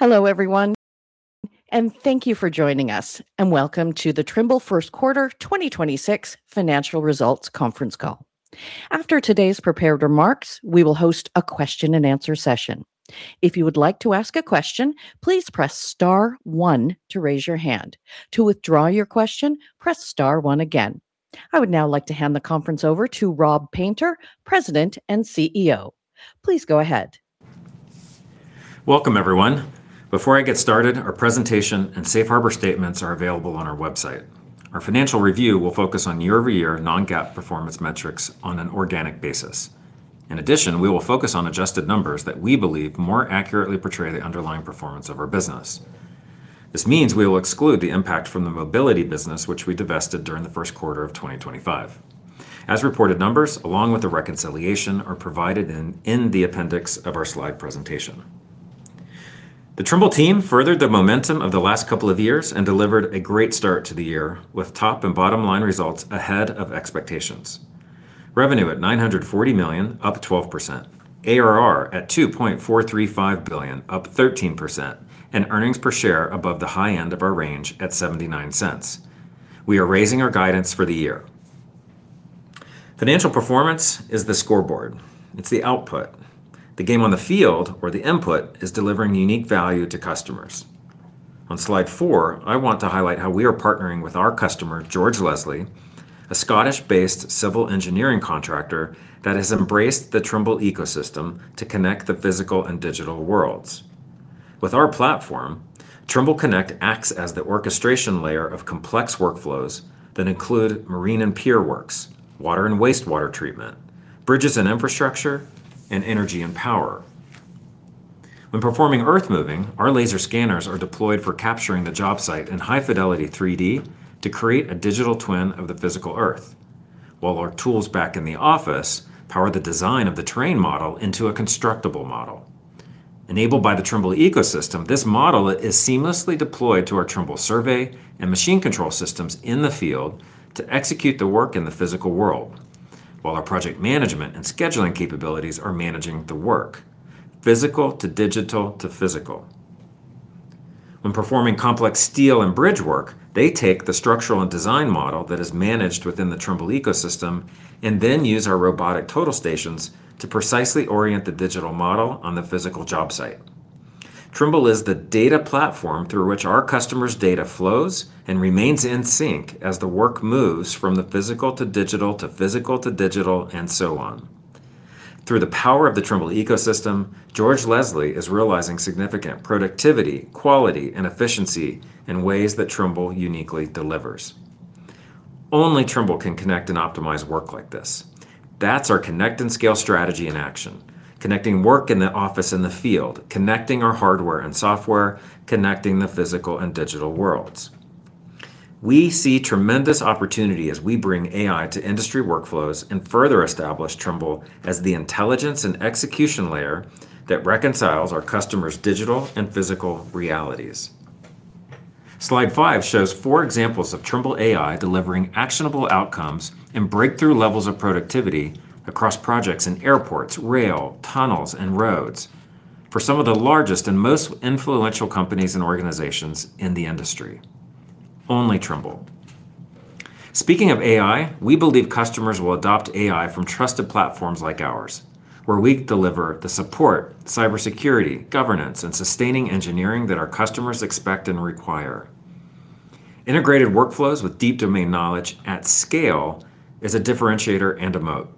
Hello, everyone. Thank you for joining us and welcome to the Trimble First Quarter 2026 Financial Results Conference Call. After today's prepared remarks, we will host a question and answer session. If you would like to ask a question, please press star one to raise your hand. To withdraw your question, press star one again. I would now like to hand the conference over to Rob Painter, President and CEO. Please go ahead. Welcome, everyone. Before I get started, our presentation and safe harbor statements are available on our website. Our financial review will focus on year-over-year non-GAAP performance metrics on an organic basis. We will focus on adjusted numbers that we believe more accurately portray the underlying performance of our business. This means we will exclude the impact from the mobility business which we divested during the first quarter of 2025. As reported numbers, along with the reconciliation, are provided in the appendix of our slide presentation. The Trimble team furthered the momentum of the last couple of years and delivered a great start to the year, with top and bottom line results ahead of expectations. Revenue at $940 million, up 12%, ARR at $2.435 billion, up 13%, and EPS above the high end of our range at $0.79. We are raising our guidance for the year. Financial performance is the scoreboard. It's the output. The game on the field or the input is delivering unique value to customers. On slide 4, I want to highlight how we are partnering with our customer, George Leslie, a Scottish-based civil engineering contractor that has embraced the Trimble ecosystem to connect the physical and digital worlds. With our platform, Trimble Connect acts as the orchestration layer of complex workflows that include marine and pier works, water and wastewater treatment, bridges and infrastructure, and energy and power. When performing earthmoving, our laser scanners are deployed for capturing the job site in high-fidelity 3D to create a digital twin of the physical earth, while our tools back in the office power the design of the terrain model into a constructible model. Enabled by the Trimble ecosystem, this model is seamlessly deployed to our Trimble survey and machine control systems in the field to execute the work in the physical world, while our project management and scheduling capabilities are managing the work, physical to digital to physical. When performing complex steel and bridge work, they take the structural and design model that is managed within the Trimble ecosystem and then use our robotic total stations to precisely orient the digital model on the physical job site. Trimble is the data platform through which our customer's data flows and remains in sync as the work moves from the physical to digital to physical to digital and so on. Through the power of the Trimble ecosystem, George Leslie is realizing significant productivity, quality, and efficiency in ways that Trimble uniquely delivers. Only Trimble can connect and optimize work like this. That's our connect and scale strategy in action, connecting work in the office and the field, connecting our hardware and software, connecting the physical and digital worlds. We see tremendous opportunity as we bring AI to industry workflows and further establish Trimble as the intelligence and execution layer that reconciles our customers' digital and physical realities. Slide five shows four examples of Trimble AI delivering actionable outcomes and breakthrough levels of productivity across projects in airports, rail, tunnels, and roads for some of the largest and most influential companies and organizations in the industry. Only Trimble. Speaking of AI, we believe customers will adopt AI from trusted platforms like ours, where we deliver the support, cybersecurity, governance, and sustaining engineering that our customers expect and require. Integrated workflows with deep domain knowledge at scale is a differentiator and a moat.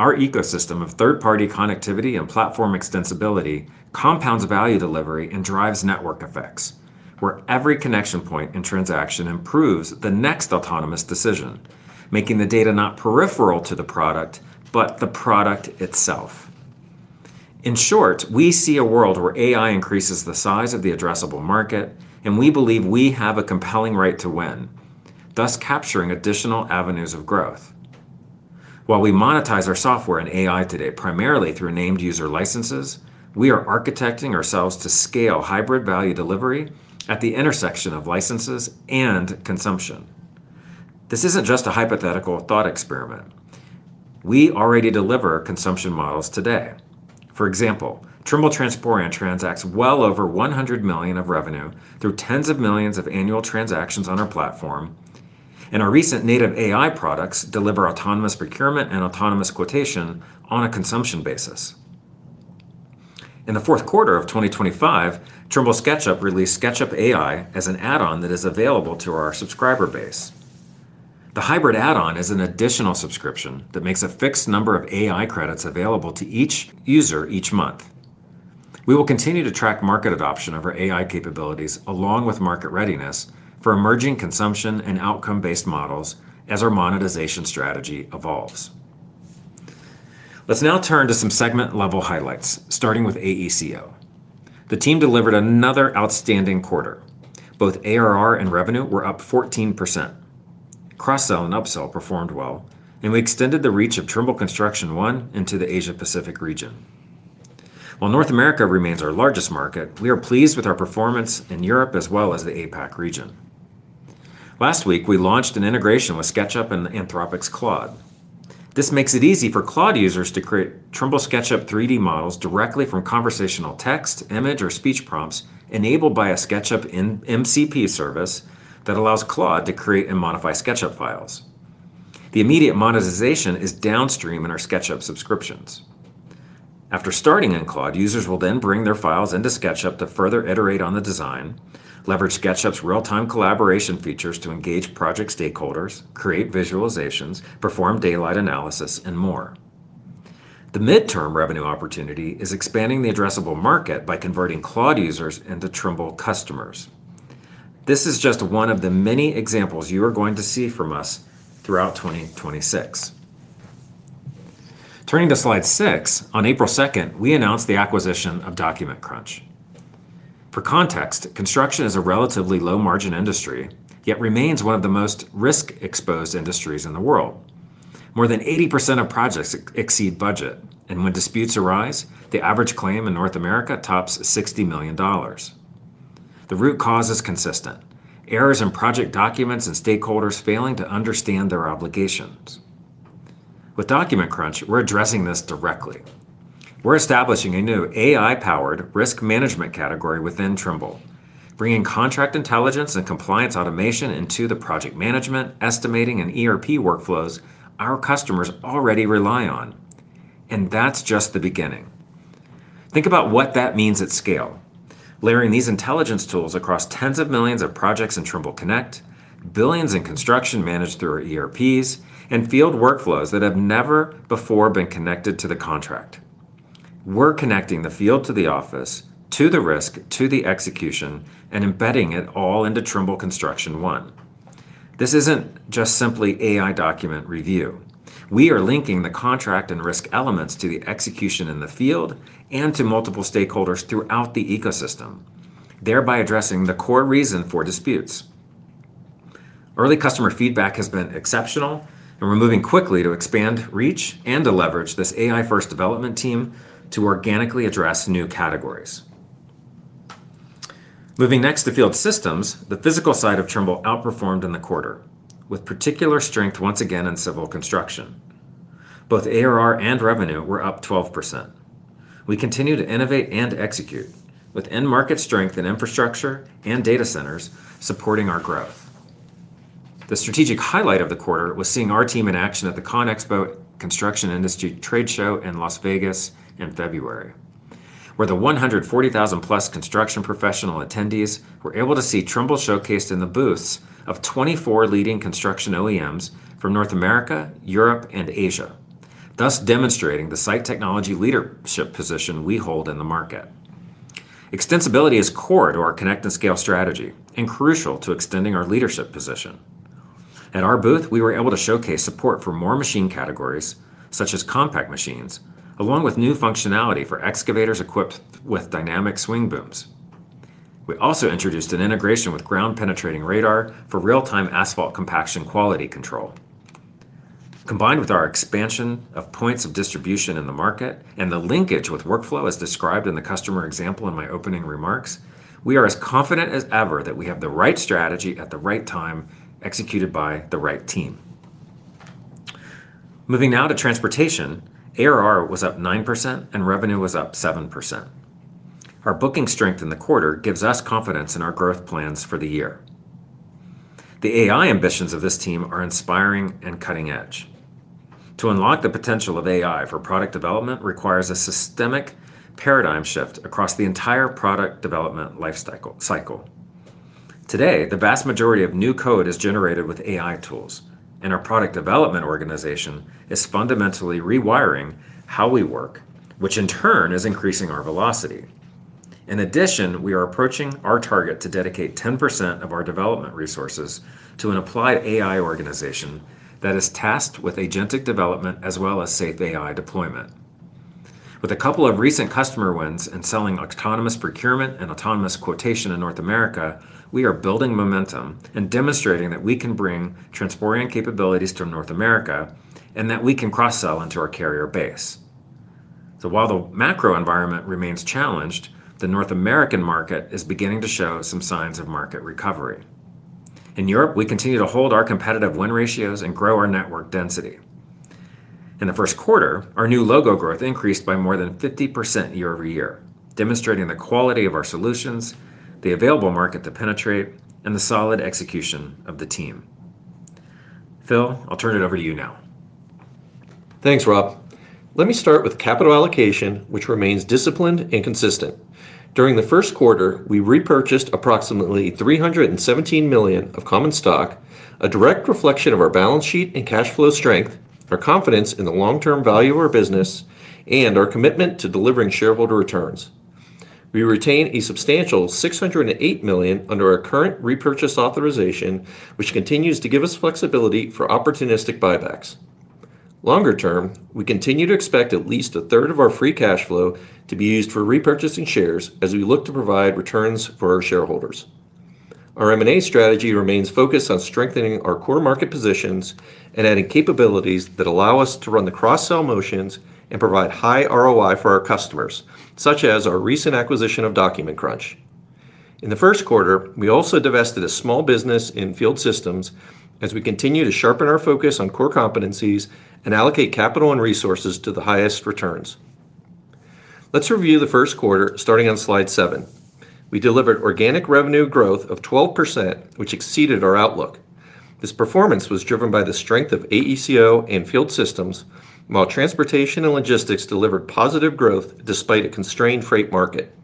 Our ecosystem of third-party connectivity and platform extensibility compounds value delivery and drives network effects, where every connection point and transaction improves the next autonomous decision, making the data not peripheral to the product, but the product itself. In short, we see a world where AI increases the size of the addressable market, and we believe we have a compelling right to win, thus capturing additional avenues of growth. While we monetize our software and AI today primarily through named user licenses, we are architecting ourselves to scale hybrid value delivery at the intersection of licenses and consumption. This isn't just a hypothetical thought experiment. We already deliver consumption models today. For example, Trimble Transporeon transacts well over $100 million of revenue through tens of millions of annual transactions on our platform, and our recent native AI products deliver autonomous procurement and autonomous quotation on a consumption basis. In the fourth quarter of 2025, Trimble SketchUp released SketchUp AI as an add-on that is available to our subscriber base. The hybrid add-on is an additional subscription that makes a fixed number of AI credits available to each user each month. We will continue to track market adoption of our AI capabilities along with market readiness for emerging consumption and outcome-based models as our monetization strategy evolves. Let's now turn to some segment-level highlights, starting with AECO. The team delivered another outstanding quarter. Both ARR and revenue were up 14%. Cross-sell and upsell performed well, and we extended the reach of Trimble Construction One into the Asia-Pacific region. While North America remains our largest market, we are pleased with our performance in Europe as well as the APAC region. Last week, we launched an integration with SketchUp and Anthropic Claude. This makes it easy for Claude users to create Trimble SketchUp 3D models directly from conversational text, image, or speech prompts enabled by a SketchUp AI-MCP service that allows Claude to create and modify SketchUp files. The immediate monetization is downstream in our SketchUp subscriptions. After starting in Claude, users will bring their files into SketchUp to further iterate on the design, leverage SketchUp's real-time collaboration features to engage project stakeholders, create visualizations, perform daylight analysis, and more. The midterm revenue opportunity is expanding the addressable market by converting Claude users into Trimble customers. This is just one of the many examples you are going to see from us throughout 2026. Turning to slide 6, on April 2, we announced the acquisition of Document Crunch. For context, construction is a relatively low-margin industry, yet remains one of the most risk-exposed industries in the world. More than 80% of projects exceed budget. When disputes arise, the average claim in North America tops $60 million. The root cause is consistent. Errors in project documents and stakeholders failing to understand their obligations. With Document Crunch, we're addressing this directly. We're establishing a new AI-powered risk management category within Trimble, bringing contract intelligence and compliance automation into the project management, estimating, and ERP workflows our customers already rely on. That's just the beginning. Think about what that means at scale, layering these intelligence tools across tens of millions of projects in Trimble Connect, billions in construction managed through our ERPs, and field workflows that have never before been connected to the contract. We're connecting the field to the office, to the risk, to the execution, and embedding it all into Trimble Construction One. This isn't just simply AI document review. We are linking the contract and risk elements to the execution in the field and to multiple stakeholders throughout the ecosystem, thereby addressing the core reason for disputes. Early customer feedback has been exceptional, and we're moving quickly to expand reach and to leverage this AI-first development team to organically address new categories. Moving next to Field Systems, the physical side of Trimble outperformed in the quarter, with particular strength once again in civil construction. Both ARR and revenue were up 12%. We continue to innovate and execute with end market strength and infrastructure and data centers supporting our growth. The strategic highlight of the quarter was seeing our team in action at the CONEXPO-CON/AGG Construction Industry Trade Show in Las Vegas in February, where the 140,000 plus construction professional attendees were able to see Trimble showcased in the booths of 24 leading construction OEMs from North America, Europe, and Asia, thus demonstrating the site technology leadership position we hold in the market. Extensibility is core to our connect and scale strategy and crucial to extending our leadership position. At our booth, we were able to showcase support for more machine categories, such as compact machines, along with new functionality for excavators equipped with dynamic swing booms. We also introduced an integration with ground-penetrating radar for real-time asphalt compaction quality control. Combined with our expansion of points of distribution in the market and the linkage with workflow as described in the customer example in my opening remarks, we are as confident as ever that we have the right strategy at the right time, executed by the right team. Moving now to transportation, ARR was up 9% and revenue was up 7%. Our booking strength in the quarter gives us confidence in our growth plans for the year. The AI ambitions of this team are inspiring and cutting edge. To unlock the potential of AI for product development requires a systemic paradigm shift across the entire product development life cycle. Today, the vast majority of new code is generated with AI tools, and our product development organization is fundamentally rewiring how we work, which in turn is increasing our velocity. In addition, we are approaching our target to dedicate 10% of our development resources to an applied AI organization that is tasked with agentic development as well as safe AI deployment. With a couple of recent customer wins and selling autonomous procurement and autonomous quotation in North America, we are building momentum and demonstrating that we can bring Transporeon capabilities to North America and that we can cross-sell into our carrier base. While the macro environment remains challenged, the North American market is beginning to show some signs of market recovery. In Europe, we continue to hold our competitive win ratios and grow our network density. In the first quarter, our new logo growth increased by more than 50% year-over-year, demonstrating the quality of our solutions, the available market to penetrate, and the solid execution of the team. Phil, I'll turn it over to you now. Thanks, Rob. Let me start with capital allocation, which remains disciplined and consistent. During the first quarter, we repurchased approximately $317 million of common stock, a direct reflection of our balance sheet and cash flow strength, our confidence in the long-term value of our business, and our commitment to delivering shareholder returns. We retain a substantial $608 million under our current repurchase authorization, which continues to give us flexibility for opportunistic buybacks. Longer term, we continue to expect at least a third of our free cash flow to be used for repurchasing shares as we look to provide returns for our shareholders. Our M&A strategy remains focused on strengthening our core market positions and adding capabilities that allow us to run the cross-sell motions and provide high ROI for our customers, such as our recent acquisition of Document Crunch. In the first quarter, we also divested a small business in Field Systems as we continue to sharpen our focus on core competencies and allocate capital and resources to the highest returns. Let's review the first quarter starting on slide 7. We delivered organic revenue growth of 12%, which exceeded our outlook. This performance was driven by the strength of AECO and Field Systems, while Transportation and Logistics delivered positive growth despite a constrained freight market.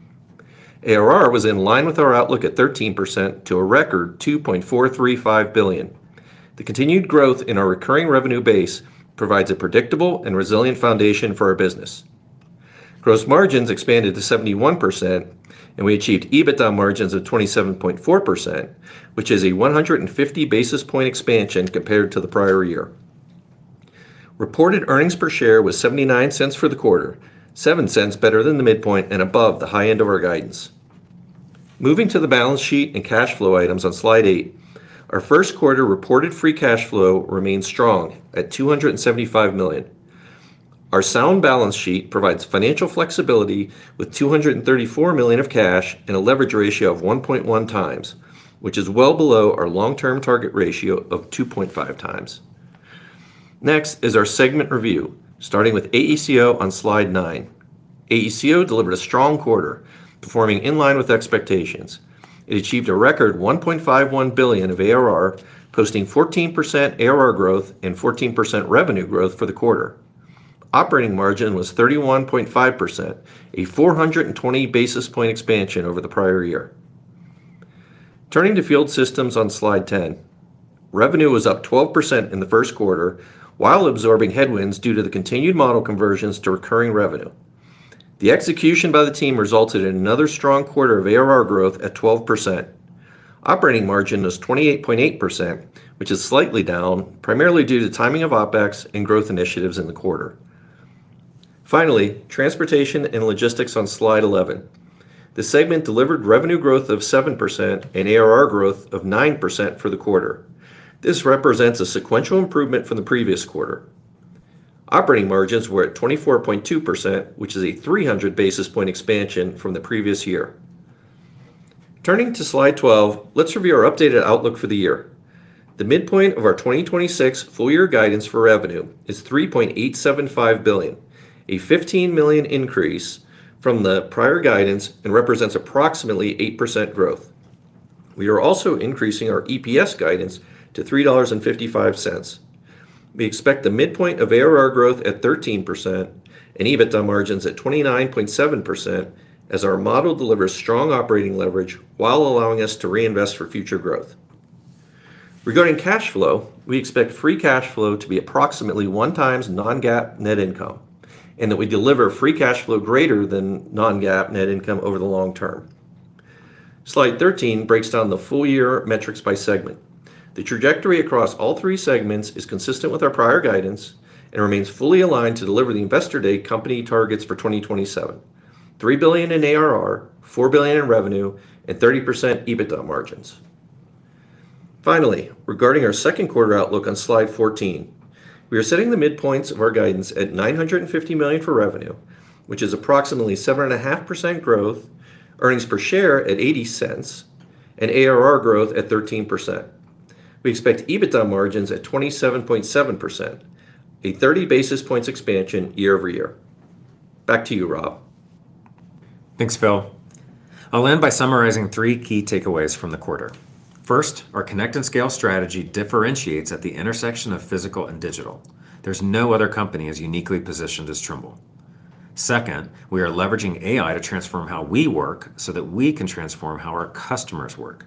ARR was in line with our outlook at 13% to a record $2.435 billion. The continued growth in our recurring revenue base provides a predictable and resilient foundation for our business. Gross margins expanded to 71%, and we achieved EBITDA margins of 27.4%, which is a 150 basis point expansion compared to the prior year. Reported earnings per share was $0.79 for the quarter, $0.07 better than the midpoint and above the high end of our guidance. Moving to the balance sheet and cash flow items on slide 8, our first quarter reported free cash flow remains strong at $275 million. Our sound balance sheet provides financial flexibility with $234 million of cash and a leverage ratio of 1.1x, which is well below our long-term target ratio of 2.5x. Next is our segment review, starting with AECO on slide 9. AECO delivered a strong quarter, performing in line with expectations. It achieved a record $1.51 billion of ARR, posting 14% ARR growth and 14% revenue growth for the quarter. Operating margin was 31.5%, a 420 basis point expansion over the prior year. Turning to Field Systems on slide 10, revenue was up 12% in the first quarter while absorbing headwinds due to the continued model conversions to recurring revenue. The execution by the team resulted in another strong quarter of ARR growth at 12%. Operating margin was 28.8%, which is slightly down, primarily due to timing of OpEx and growth initiatives in the quarter. Finally, Transportation and Logistics on slide 11. The segment delivered revenue growth of 7% and ARR growth of 9% for the quarter. This represents a sequential improvement from the previous quarter. Operating margins were at 24.2%, which is a 300 basis point expansion from the previous year. Turning to slide 12, let's review our updated outlook for the year. The midpoint of our 2026 full year guidance for revenue is $3.875 billion, a $15 million increase from the prior guidance and represents approximately 8% growth. We are also increasing our EPS guidance to $3.55. We expect the midpoint of ARR growth at 13% and EBITDA margins at 29.7% as our model delivers strong operating leverage while allowing us to reinvest for future growth. Regarding cash flow, we expect free cash flow to be approximately 1x non-GAAP net income, and that we deliver free cash flow greater than non-GAAP net income over the long term. Slide 13 breaks down the full year metrics by segment. The trajectory across all three segments is consistent with our prior guidance and remains fully aligned to deliver the Investor Day company targets for 2027: $3 billion in ARR, $4 billion in revenue, and 30% EBITDA margins. Finally, regarding our second quarter outlook on Slide 14, we are setting the midpoints of our guidance at $950 million for revenue, which is approximately 7.5% growth, earnings per share at $0.80, and ARR growth at 13%. We expect EBITDA margins at 27.7%, a 30 basis points expansion year over year. Back to you, Rob. Thanks, Phil. I'll end by summarizing three key takeaways from the quarter. First, our connect and scale strategy differentiates at the intersection of physical and digital. There's no other company as uniquely positioned as Trimble. Second, we are leveraging AI to transform how we work so that we can transform how our customers work.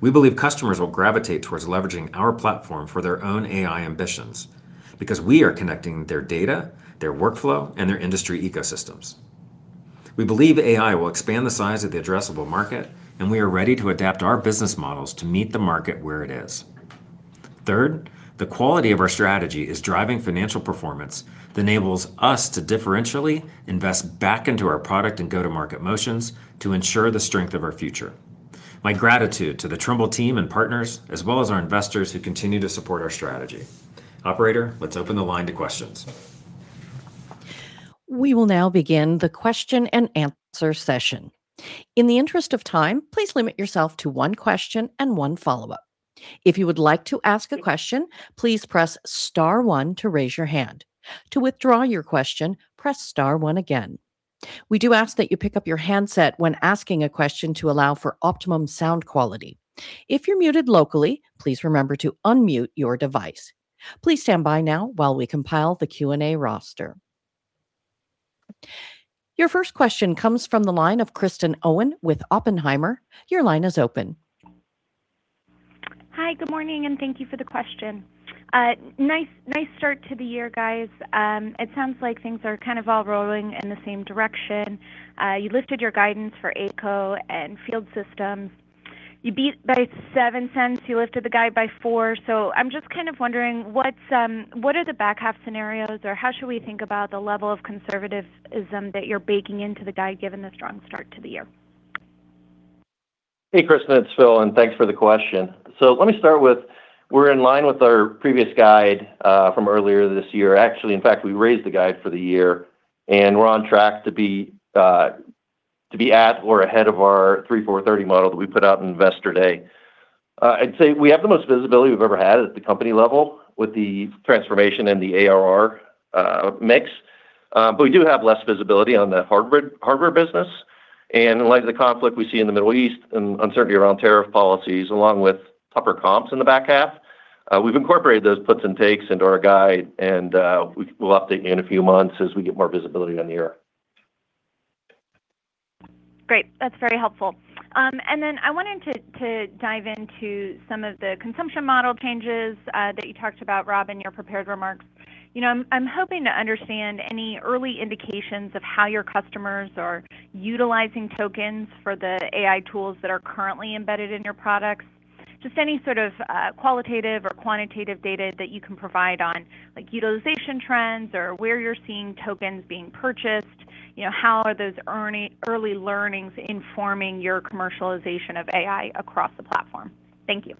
We believe customers will gravitate towards leveraging our platform for their own AI ambitions because we are connecting their data, their workflow, and their industry ecosystems. We believe AI will expand the size of the addressable market, and we are ready to adapt our business models to meet the market where it is. Third, the quality of our strategy is driving financial performance that enables us to differentially invest back into our product and go-to-market motions to ensure the strength of our future. My gratitude to the Trimble team and partners, as well as our investors who continue to support our strategy. Operator, let's open the line to questions. We will now begin the question and answer session. In the interest of time, please limit yourself to one question and one follow-up. If you would like to ask a question, please press star one to raise your hand. To withdraw your question, press star one again. We do ask that you pick up your handset when asking a question to allow for optimum sound quality. If you're muted locally, please remember to unmute your device. Please stand by now while we compile the Q&A roster. Your first question comes from the line of Kristen Owen with Oppenheimer. Your line is open. Hi. Good morning, and thank you for the question. Nice start to the year, guys. It sounds like things are kind of all rolling in the same direction. You lifted your guidance for AECO and Field Systems. You beat by $0.07. You lifted the guide by $0.04. I'm just kind of wondering what's, what are the back half scenarios, or how should we think about the level of conservatism that you're baking into the guide given the strong start to the year? Hey, Kristen, it's Phil, and thanks for the question. Let me start with. We're in line with our previous guide from earlier this year. Actually, in fact, we raised the guide for the year, and we're on track to be at or ahead of our 3/4/30 model that we put out in Investor Day. I'd say we have the most visibility we've ever had at the company level with the transformation and the ARR mix. We do have less visibility on the hardware business and in light of the conflict we see in the Middle East and uncertainty around tariff policies, along with tougher comps in the back half, we've incorporated those puts and takes into our guide and we will update you in a few months as we get more visibility on the year. Great. That's very helpful. I wanted to dive into some of the consumption model changes that you talked about, Rob, in your prepared remarks. You know, I'm hoping to understand any early indications of how your customers are utilizing tokens for the AI tools that are currently embedded in your products. Just any sort of qualitative or quantitative data that you can provide on, like, utilization trends or where you're seeing tokens being purchased. You know, how are those early learnings informing your commercialization of AI across the platform? Thank you.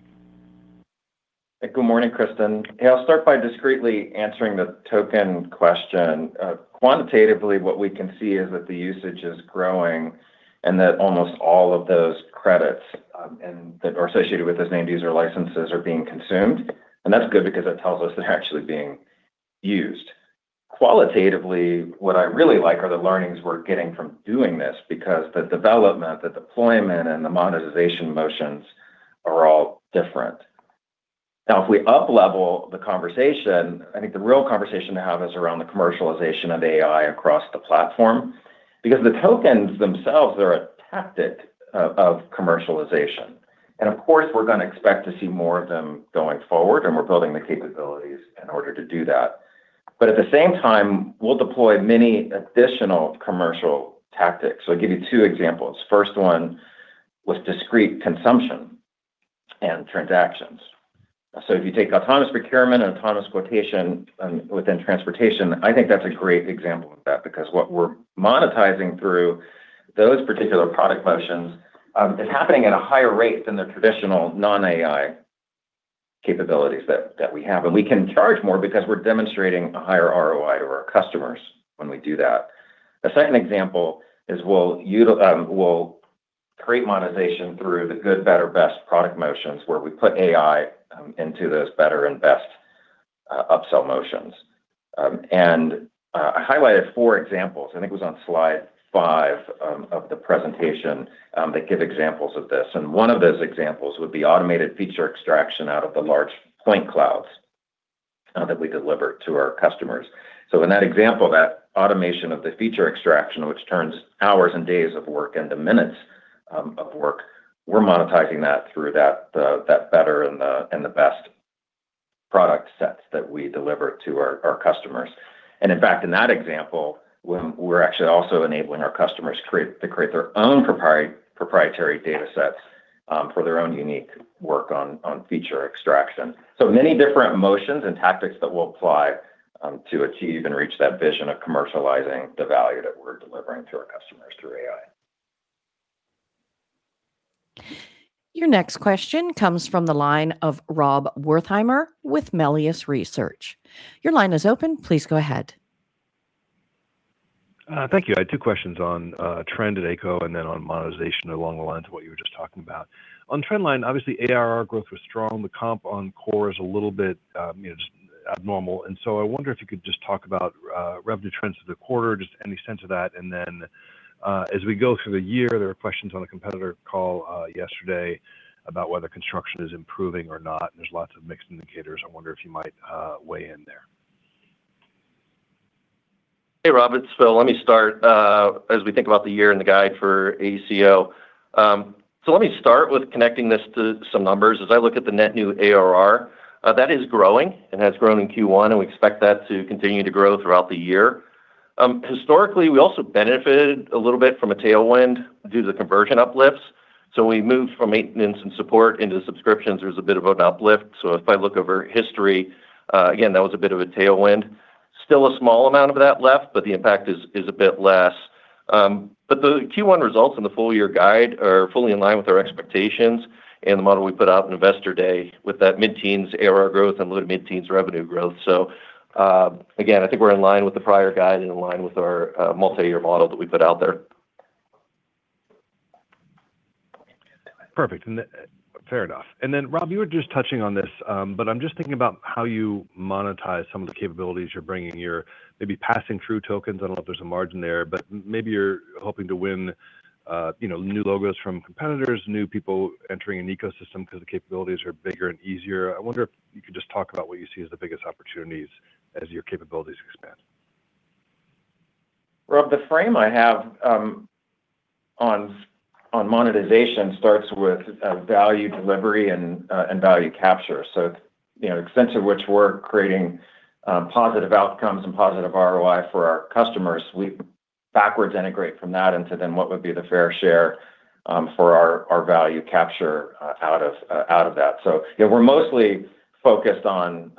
Good morning, Kristen. Yeah, I'll start by discreetly answering the token question. Quantitatively, what we can see is that the usage is growing and that almost all of those credits that are associated with those named user licenses are being consumed, and that's good because it tells us they're actually being used. Qualitatively, what I really like are the learnings we're getting from doing this because the development, the deployment, and the monetization motions are all different. If we uplevel the conversation, I think the real conversation to have is around the commercialization of AI across the platform. The tokens themselves are a tactic of commercialization. Of course, we're gonna expect to see more of them going forward, and we're building the capabilities in order to do that. At the same time, we'll deploy many additional commercial tactics. I'll give you two examples. First one was discrete consumption and transactions. If you take autonomous procurement and autonomous quotation, within transportation, I think that's a great example of that because what we're monetizing through those particular product motions, is happening at a higher rate than the traditional non-AI capabilities that we have. We can charge more because we're demonstrating a higher ROI to our customers when we do that. A second example is we'll create monetization through the good, better, best product motions where we put AI into those better and best upsell motions. I highlighted four examples, I think it was on slide five of the presentation, that give examples of this. One of those examples would be automated feature extraction out of the large point clouds that we deliver to our customers. In that example, that automation of the feature extraction, which turns hours and days of work into minutes of work, we're monetizing that through that better and the best product sets that we deliver to our customers. In fact, in that example, when we're actually also enabling our customers to create their own proprietary datasets for their own unique work on feature extraction. Many different motions and tactics that we'll apply to achieve and reach that vision of commercializing the value that we're delivering to our customers through AI. Your next question comes from the line of Rob Wertheimer with Melius Research. Your line is open. Please go ahead. Thank you. I had two questions on trend at AECO and then on monetization along the lines of what you were just talking about. On trend line, obviously, ARR growth was strong. The comp on core is a little bit, you know, just abnormal. I wonder if you could just talk about revenue trends for the quarter, just any sense of that. As we go through the year, there were questions on a competitor call yesterday about whether construction is improving or not, and there's lots of mixed indicators. I wonder if you might weigh in there. Hey Rob, it's Phil. Let me start as we think about the year and the guide for AECO. Let me start with connecting this to some numbers. As I look at the net new ARR that is growing and has grown in Q1, and we expect that to continue to grow throughout the year. Historically, we also benefited a little bit from a tailwind due to the conversion uplifts. We moved from maintenance and support into subscriptions. There was a bit of an uplift. If I look over history, again, that was a bit of a tailwind. Still a small amount of that left, but the impact is a bit less. The Q1 results and the full-year guide are fully in line with our expectations and the model we put out in Investor Day with that mid-teens ARR growth and low to mid-teens revenue growth. Again, I think we're in line with the prior guide and in line with our multi-year model that we put out there. Perfect. Fair enough. Rob, you were just touching on this, but I'm just thinking about how you monetize some of the capabilities you're bringing. You're maybe passing through tokens. I don't know if there's a margin there, but maybe you're hoping to win, you know, new logos from competitors, new people entering an ecosystem because the capabilities are bigger and easier. I wonder if you could just talk about what you see as the biggest opportunities as your capabilities expand. Rob, the frame I have on monetization starts with value delivery and value capture. You know, the extent to which we're creating positive outcomes and positive ROI for our customers, we backwards integrate from that into then what would be the fair share for our value capture out of that. You know, we're mostly focused on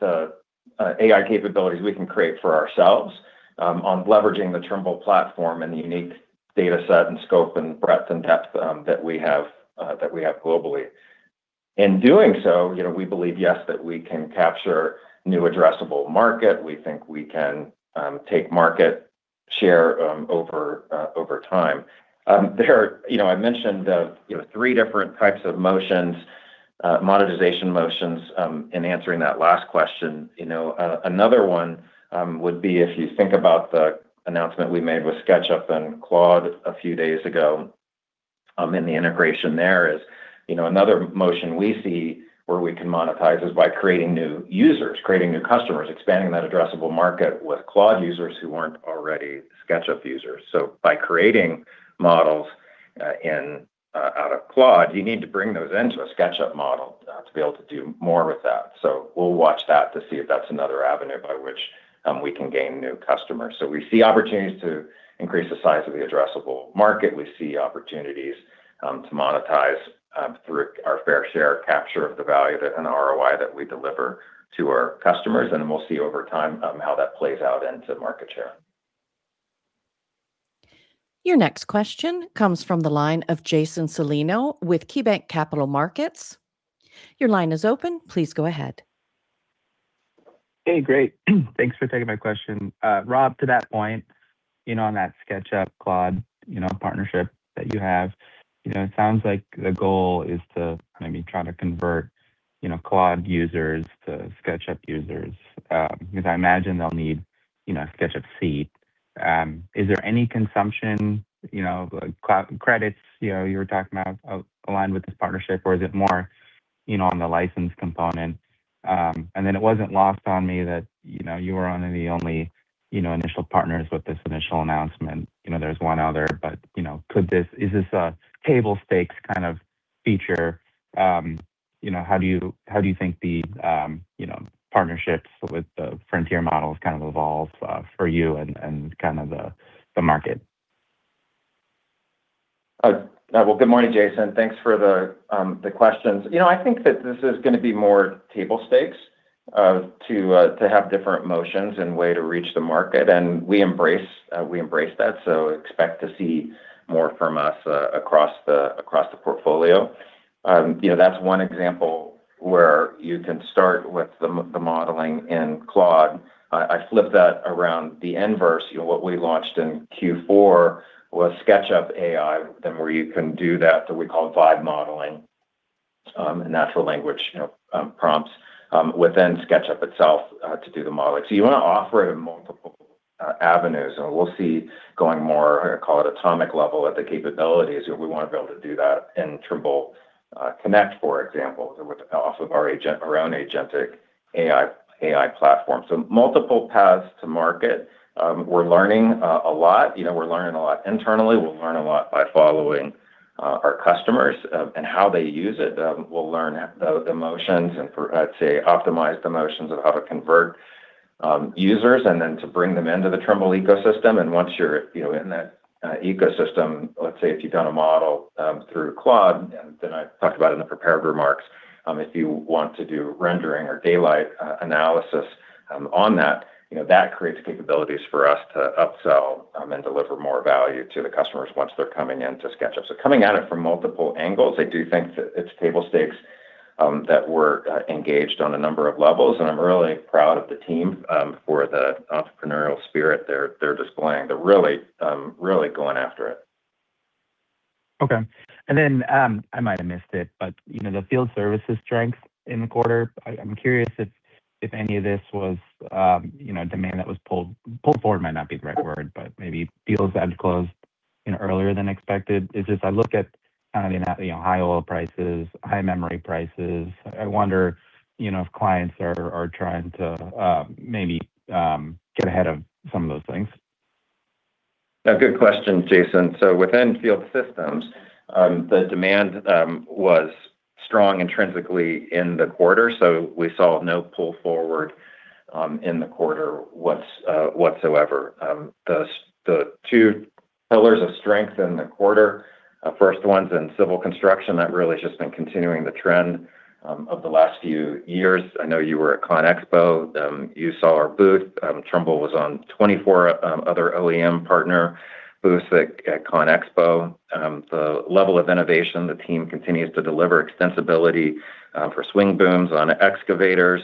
the AI capabilities we can create for ourselves on leveraging the Trimble platform and the unique data set and scope and breadth and depth that we have that we have globally. In doing so, you know, we believe, yes, that we can capture new addressable market. We think we can take market share over time. You know, I mentioned, you know, three different types of motions, monetization motions, in answering that last question. You know, another one would be if you think about the announcement we made with SketchUp and Claude a few days ago, in the integration there is, you know, another motion we see where we can monetize is by creating new users, creating new customers, expanding that addressable market with Claude users who weren't already SketchUp users. By creating models, in out of Claude, you need to bring those into a SketchUp model, to be able to do more with that. We'll watch that to see if that's another avenue by which we can gain new customers. We see opportunities to increase the size of the addressable market. We see opportunities to monetize through our fair share capture of the value and the ROI that we deliver to our customers. We'll see over time how that plays out into market share. Your next question comes from the line of Jason Celino with KeyBanc Capital Markets. Your line is open. Please go ahead. Hey, great. Thanks for taking my question. Rob, to that point, you know, on that SketchUp-Claude, you know, partnership that you have, you know, it sounds like the goal is to maybe try to convert, you know, Claude users to SketchUp users. Because I imagine they'll need, you know, a SketchUp seat. Is there any consumption, you know, Claude credits, you know, you were talking about, aligned with this partnership, or is it more, you know, on the license component? It wasn't lost on me that, you know, you were one of the only, you know, initial partners with this initial announcement. You know, there's one other, you know, is this a table stakes kind of feature? You know, how do you think the, you know, partnerships with the frontier models kind of evolve for you and kind of the market? Well, good morning, Jason. Thanks for the questions. You know, I think that this is gonna be more table stakes to have different motions and way to reach the market, and we embrace that, expect to see more from us across the portfolio. You know, that's one example where you can start with the modeling in Claude. I flip that around. The inverse, you know, what we launched in Q4 was SketchUp AI, then where you can do that we call vibe modeling, and natural language, you know, prompts within SketchUp itself to do the modeling. You want to offer it in multiple avenues, and we'll see going more, call it atomic level at the capabilities. You know, we wanna be able to do that in Trimble Connect, for example, off of our own agentic AI platform. Multiple paths to market. We're learning a lot. You know, we're learning a lot internally. We'll learn a lot by following our customers and how they use it. We'll learn the motions and optimize the motions of how to convert users and then to bring them into the Trimble ecosystem. Once you're, you know, in that ecosystem, let's say, if you've done a model through Claude, then I talked about it in the prepared remarks, if you want to do rendering or daylight analysis on that, you know, that creates capabilities for us to upsell and deliver more value to the customers once they're coming into SketchUp. Coming at it from multiple angles, I do think that it's table stakes that we're engaged on a number of levels, and I'm really proud of the team for the entrepreneurial spirit they're displaying. They're really going after it. Okay. I might have missed it, but, you know, the Field Systems strength in the quarter, I'm curious if any of this was, you know, demand that was pulled forward might not be the right word, but maybe deals that closed, you know, earlier than expected. It's just I look at, you know, high oil prices, high memory prices, I wonder, you know, if clients are trying to maybe get ahead of some of those things. Yeah, good question, Jason. Within Field Systems, the demand was strong intrinsically in the quarter, we saw no pull forward in the quarter whatsoever. The two pillars of strength in the quarter, first one's in civil construction. That really has just been continuing the trend of the last few years. I know you were at CONEXPO-CON/AGG, you saw our booth. Trimble was on 24 other OEM partner booths at CONEXPO-CON/AGG. The level of innovation the team continues to deliver, extensibility for swing booms on excavators,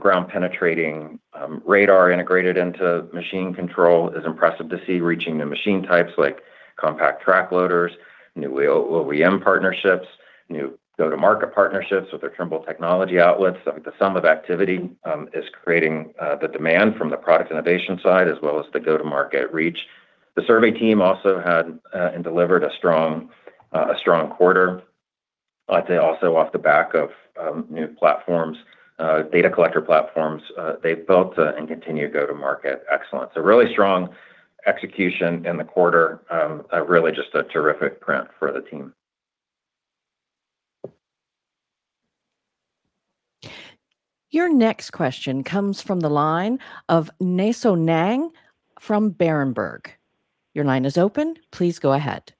ground-penetrating radar integrated into machine control is impressive to see, reaching new machine types like compact track loaders, new OEM partnerships, new go-to-market partnerships with the Trimble technology outlets. Like, the sum of activity is creating the demand from the product innovation side as well as the go-to-market reach. The survey team also had and delivered a strong quarter. I'd say also off the back of new platforms, data collector platforms they've built and continue to go to market excellent. Really strong execution in the quarter. Really just a terrific print for the team. Your next question comes from the line of Nay Soe Naing from Berenberg. Your line is open. Please go ahead.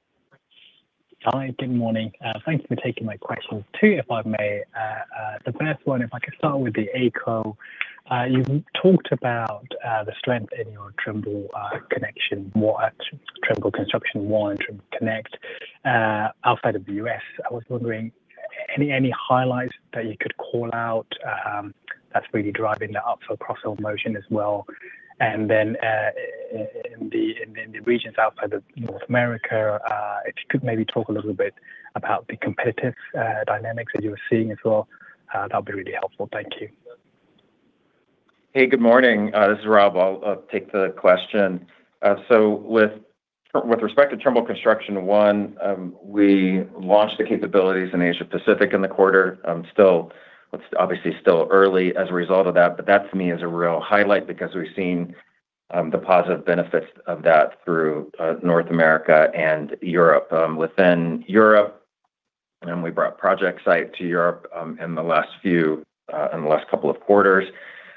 Hi, good morning. Thank you for taking my questions. Two, if I may. The first one, if I could start with the AECO. You talked about the strength in your Trimble Connect, more at Trimble Construction One, Trimble Connect outside of the U.S. I was wondering, any highlights that you could call out that's really driving the upsell, cross-sell motion as well? In the regions outside of North America, if you could maybe talk a little bit about the competitive dynamics that you're seeing as well, that'll be really helpful. Thank you. Hey, good morning. This is Rob. I'll take the question. With respect to Trimble Construction One, we launched the capabilities in Asia Pacific in the quarter. It's obviously still early as a result of that, but that to me is a real highlight because we've seen the positive benefits of that through North America and Europe. Within Europe, we brought ProjectSight to Europe in the last couple of quarters.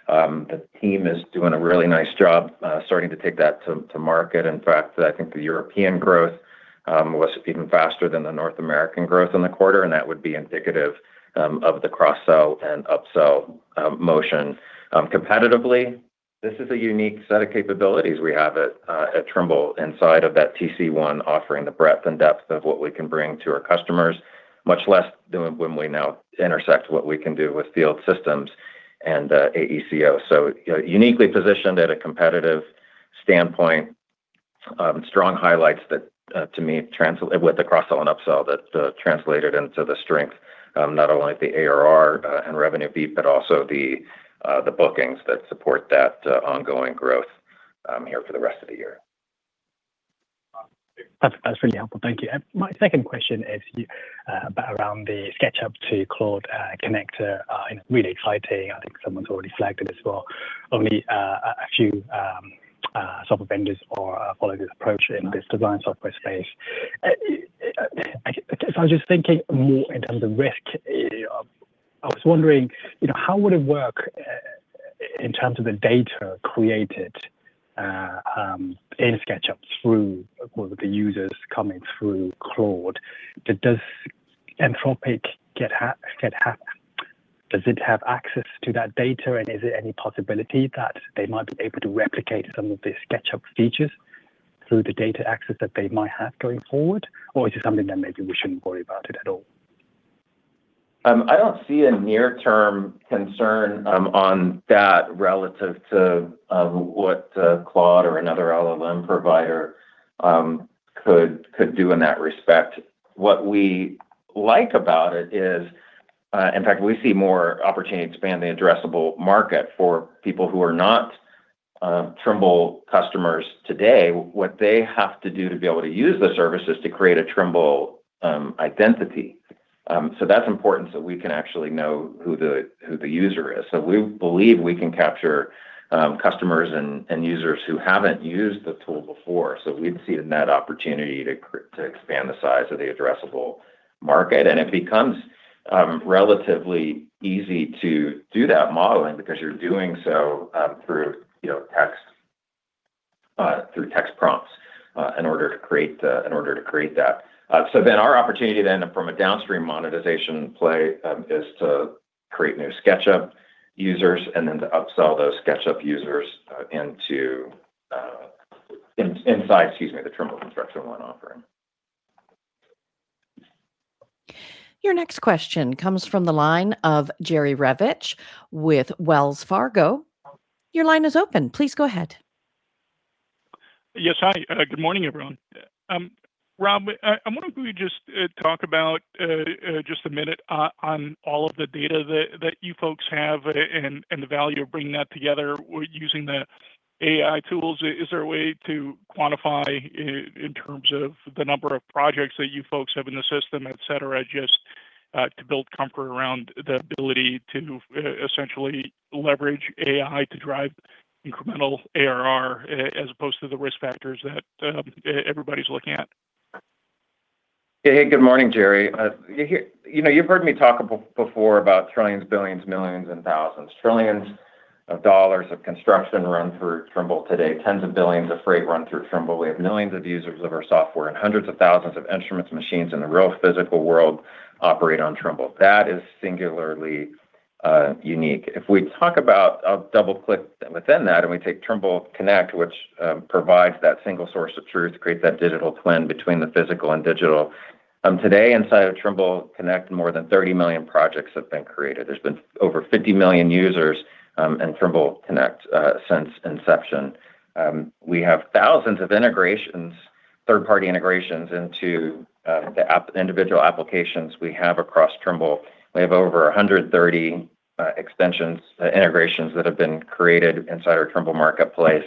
The team is doing a really nice job starting to take that to market. In fact, I think the European growth was even faster than the North American growth in the quarter, that would be indicative of the cross-sell and upsell motion. Competitively, this is a unique set of capabilities we have at Trimble inside of that TC One, offering the breadth and depth of what we can bring to our customers, much less than when we now intersect what we can do with Field Systems and AECO. Uniquely positioned at a competitive standpoint. Strong highlights that to me with the cross-sell and upsell that translated into the strength, not only the ARR and revenue beat, but also the bookings that support that ongoing growth here for the rest of the year. That's really helpful. Thank you. My second question is about around the SketchUp to Claude connector. You know, really exciting. I think someone's already flagged it as well. Only a few software vendors are follow this approach in this design software space. I guess I was just thinking more in terms of risk. I was wondering, you know, how would it work in terms of the data created in SketchUp through, or the users coming through Claude? Does Anthropic have access to that data, and is there any possibility that they might be able to replicate some of the SketchUp features through the data access that they might have going forward? Is it something that maybe we shouldn't worry about it at all? I don't see a near-term concern on that relative to what Claude or another LLM provider could do in that respect. What we like about it is, in fact, we see more opportunity to expand the addressable market for people who are not Trimble customers today. What they have to do to be able to use the service is to create a Trimble identity. That's important so we can actually know who the user is. We believe we can capture customers and users who haven't used the tool before. We'd see a net opportunity to expand the size of the addressable market. It becomes relatively easy to do that modeling because you're doing so, through, you know, text, through text prompts, in order to create that. Our opportunity then from a downstream monetization play is to create new SketchUp users and then to upsell those SketchUp users, into inside, excuse me, the Trimble Construction One offering. Your next question comes from the line of Jerry Revich with Wells Fargo. Your line is open. Please go ahead. Yes. Hi. Good morning, everyone. Rob, I wonder if you could just talk about just a minute on all of the data that you folks have and the value of bringing that together using the AI tools. Is there a way to quantify in terms of the number of projects that you folks have in the system, et cetera, just to build comfort around the ability to essentially leverage AI to drive incremental ARR as opposed to the risk factors that everybody's looking at? Good morning, Jerry. You know, you've heard me talk before about trillions, billions, millions and thousands. Trillions of dollars of construction run through Trimble today. Tens of billions of freight run through Trimble. We have millions of users of our software, hundreds of thousands of instruments and machines in the real physical world operate on Trimble. That is singularly unique. If we talk about, I'll double-click within that, and we take Trimble Connect, which provides that single source of truth, creates that digital twin between the physical and digital. Today, inside of Trimble Connect, more than 30 million projects have been created. There's been over 50 million users in Trimble Connect since inception. We have thousands of integrations, third-party integrations into the individual applications we have across Trimble. We have over 130 extensions, integrations that have been created inside our Trimble Marketplace,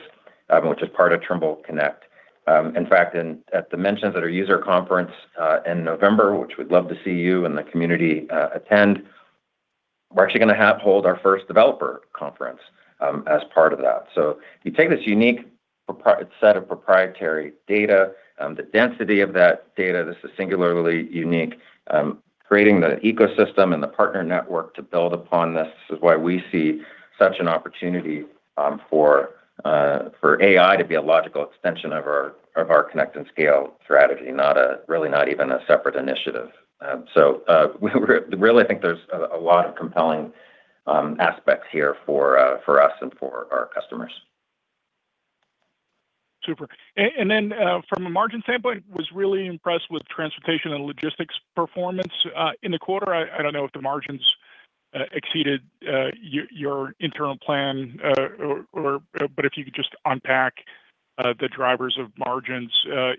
which is part of Trimble Connect. In fact, at Dimensions, at our user conference in November, which we'd love to see you and the community attend, we're actually gonna hold our first developer conference as part of that. You take this unique set of proprietary data, the density of that data, this is singularly unique. Creating the ecosystem and the partner network to build upon this is why we see such an opportunity for AI to be a logical extension of our connect and scale strategy, not a, really not even a separate initiative. We really think there's a lot of compelling aspects here for us and for our customers. Super. From a margin standpoint, was really impressed with transportation and logistics performance in the quarter. I don't know if the margins exceeded your internal plan, or if you could just unpack the drivers of margins